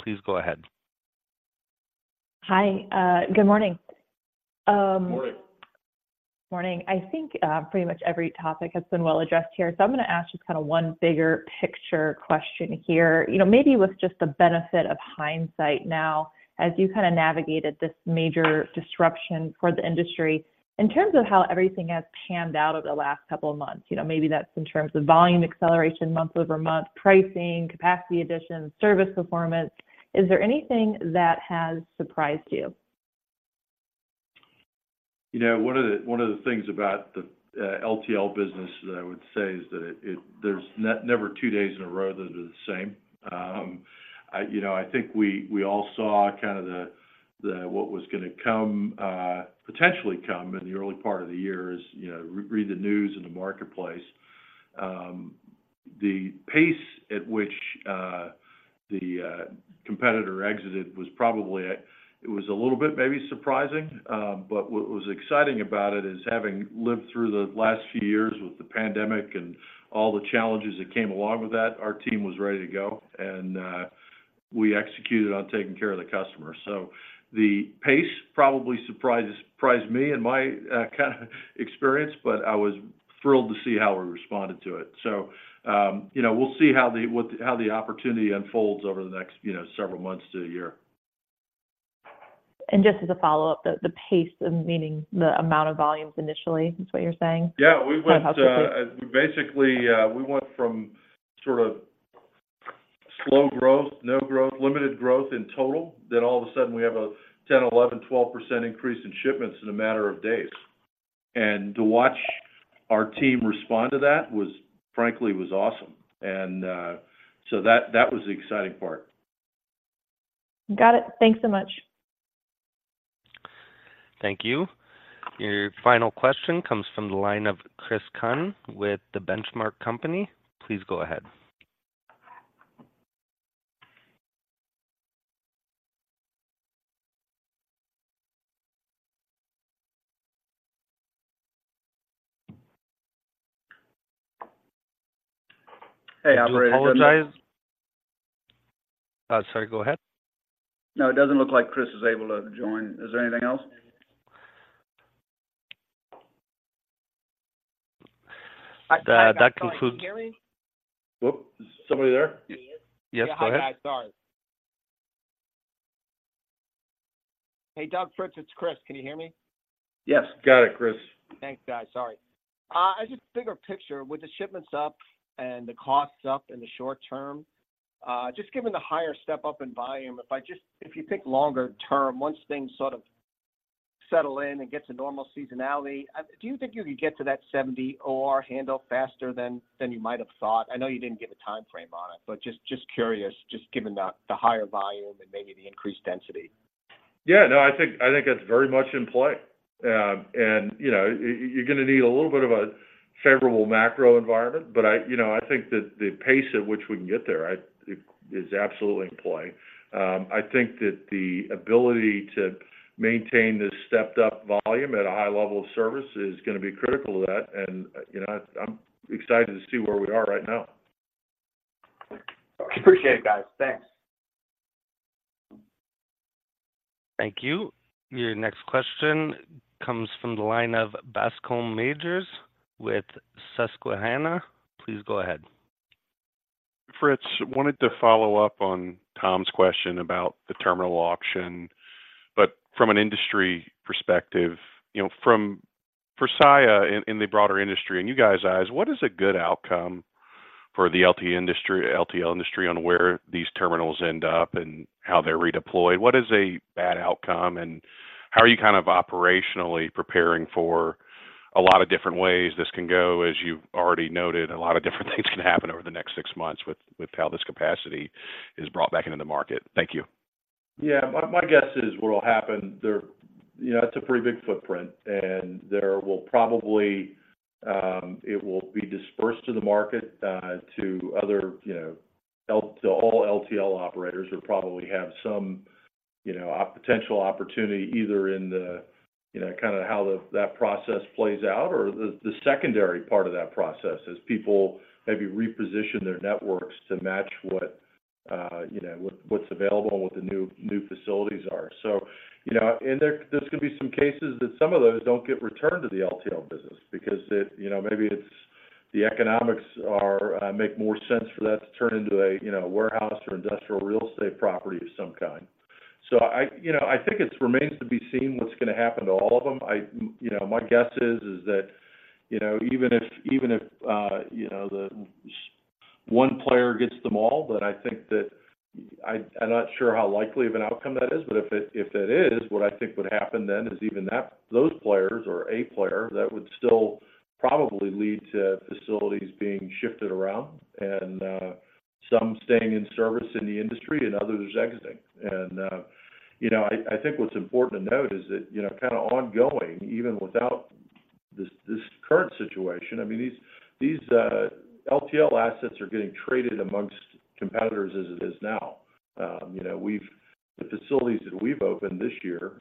Please go ahead. Hi, good morning. Morning. Morning. I think, pretty much every topic has been well addressed here, so I'm going to ask just kind of one bigger picture question here. You know, maybe with just the benefit of hindsight now, as you kind of navigated this major disruption for the industry, in terms of how everything has panned out over the last couple of months, you know, maybe that's in terms of volume acceleration, month-over-month, pricing, capacity additions, service performance, is there anything that has surprised you? You know, one of the, one of the things about the LTL business that I would say is that it, there's never two days in a row that are the same. I, you know, I think we, we all saw kind of the, the what was going to come, potentially come in the early part of the year as, you know, read the news in the marketplace. The pace at which the competitor exited was probably, it was a little bit maybe surprising, but what was exciting about it is having lived through the last few years with the pandemic and all the challenges that came along with that, our team was ready to go, and we executed on taking care of the customer. So the pace probably surprised, surprised me and my kind of experience, but I was thrilled to see how we responded to it. So, you know, we'll see how the opportunity unfolds over the next, you know, several months to a year. Just as a follow-up, the pace of... meaning the amount of volumes initially, is what you're saying? Yeah, we went... How quickly. Basically, we went from sort of slow growth, no growth, limited growth in total, then all of a sudden, we have a 10, 11, 12% increase in shipments in a matter of days. And to watch our team respond to that was frankly, was awesome. And, so that, that was the exciting part. Got it. Thanks so much. Thank you. Your final question comes from the line of Chris Kuhn with The Benchmark Company. Please go ahead. Hey, operator- I do apologize. Sorry, go ahead. No, it doesn't look like Chris is able to join. Is there anything else? That concludes- Oops, is somebody there? Yes, go ahead. Yeah. Hi, guys. Sorry. Hey, Doug, Fritz, it's Chris. Can you hear me? Yes. Got it, Chris. Thanks, guys. Sorry. Just bigger picture, with the shipments up and the costs up in the short term, just given the higher step up in volume, if I just—if you think longer term, once things sort of settle in and get to normal seasonality, do you think you could get to that 70 OR handle faster than, than you might have thought? I know you didn't give a time frame on it, but just, just curious, just given the, the higher volume and maybe the increased density. Yeah, no, I think, I think that's very much in play. And, you know, you're going to need a little bit of a favorable macro environment, but I, you know, I think that the pace at which we can get there is absolutely in play. I think that the ability to maintain this stepped up volume at a high level of service is going to be critical to that, and, you know, I, I'm excited to see where we are right now. Appreciate it, guys. Thanks. Thank you. Your next question comes from the line of Bascom Majors with Susquehanna. Please go ahead. Fritz, wanted to follow up on Tom's question about the terminal auction, but from an industry perspective, you know, for Saia in the broader industry and you guys' eyes, what is a good outcome for the LTL industry on where these terminals end up and how they're redeployed? What is a bad outcome, and how are you kind of operationally preparing for a lot of different ways this can go? As you've already noted, a lot of different things can happen over the next six months with how this capacity is brought back into the market. Thank you. Yeah, my guess is what will happen there, you know, it's a pretty big footprint, and there will probably, it will be dispersed to the market, to other, you know, to all LTL operators who probably have some, you know, opportunity, either in the, you know, kind of how that process plays out or the secondary part of that process, as people maybe reposition their networks to match what, you know, what's available and what the new facilities are. So, you know, and there, there's going to be some cases that some of those don't get returned to the LTL business because it, you know, maybe the economics make more sense for that to turn into a, you know, warehouse or industrial real estate property of some kind. So I, you know, I think it remains to be seen what's going to happen to all of them. I, you know, my guess is that, you know, even if, even if, you know, one player gets them all, but I think that I, I'm not sure how likely of an outcome that is, but if it, if it is, what I think would happen then is even that those players or a player, that would still probably lead to facilities being shifted around, and some staying in service in the industry and others exiting. And, you know, I, I think what's important to note is that, you know, kinda ongoing, even without this, this current situation, I mean, these LTL assets are getting traded amongst competitors as it is now. You know, we've the facilities that we've opened this year,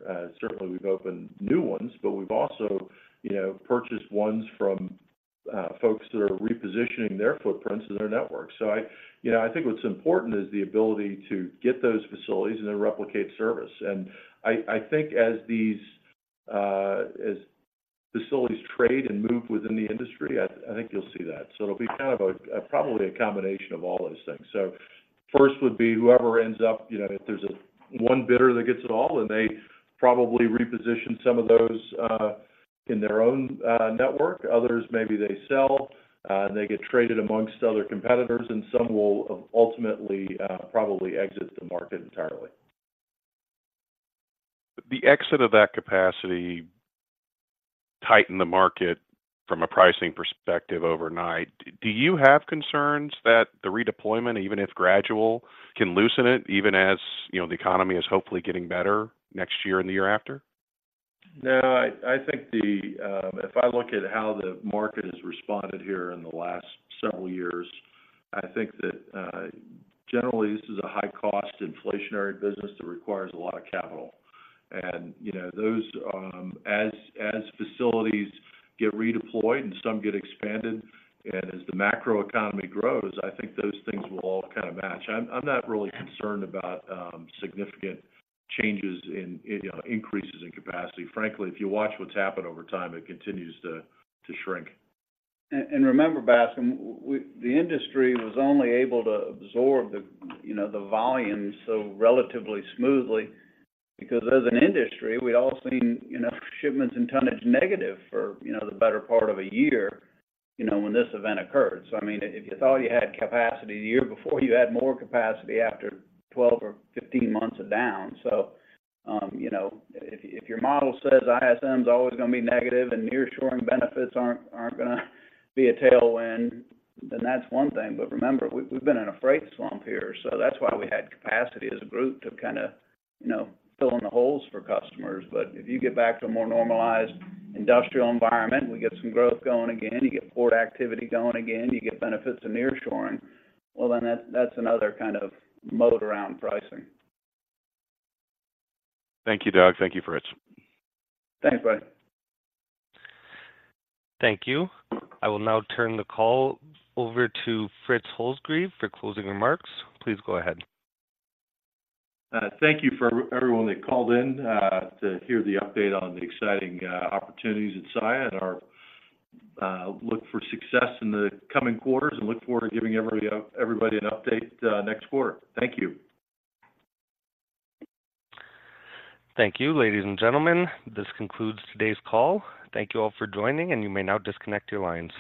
certainly we've opened new ones, but we've also, you know, purchased ones from, folks that are repositioning their footprints in our network. So I, you know, I think what's important is the ability to get those facilities and then replicate service. And I, I think as these, as facilities trade and move within the industry, I, I think you'll see that. So it'll be kind of a, probably a combination of all those things. So first would be whoever ends up, you know, if there's a one bidder that gets it all, and they probably reposition some of those, in their own, network. Others, maybe they sell, and they get traded amongst other competitors, and some will ultimately, probably exit the market entirely. The exit of that capacity tighten the market from a pricing perspective overnight. Do you have concerns that the redeployment, even if gradual, can loosen it, even as, you know, the economy is hopefully getting better next year and the year after? No, I think if I look at how the market has responded here in the last several years, I think that generally, this is a high-cost inflationary business that requires a lot of capital. And, you know, those, as facilities get redeployed and some get expanded, and as the macro economy grows, I think those things will all kinda match. I'm not really concerned about, significant changes in, you know, increases in capacity. Frankly, if you watch what's happened over time, it continues to shrink. And remember, Bascom, the industry was only able to absorb the, you know, the volume so relatively smoothly because as an industry, we'd all seen, you know, shipments and tonnage negative for, you know, the better part of a year, you know, when this event occurred. So, I mean, if you thought you had capacity the year before, you had more capacity after 12 or 15 months of down. So, you know, if your model says ISM is always gonna be negative and nearshoring benefits aren't gonna be a tailwind, then that's one thing. But remember, we've been in a freight slump here, so that's why we had capacity as a group to kinda, you know, fill in the holes for customers. If you get back to a more normalized industrial environment, we get some growth going again, you get port activity going again, you get benefits of nearshoring, well, then that's another kind of mode around pricing. Thank you, Doug. Thank you, Fritz. Thanks, Brian. Thank you. I will now turn the call over to Fritz Holzgrefe for closing remarks. Please go ahead. Thank you for everyone that called in to hear the update on the exciting opportunities at Saia and our look for success in the coming quarters, and look forward to giving everybody everybody an update next quarter. Thank you. Thank you, ladies and gentlemen. This concludes today's call. Thank you all for joining, and you may now disconnect your lines.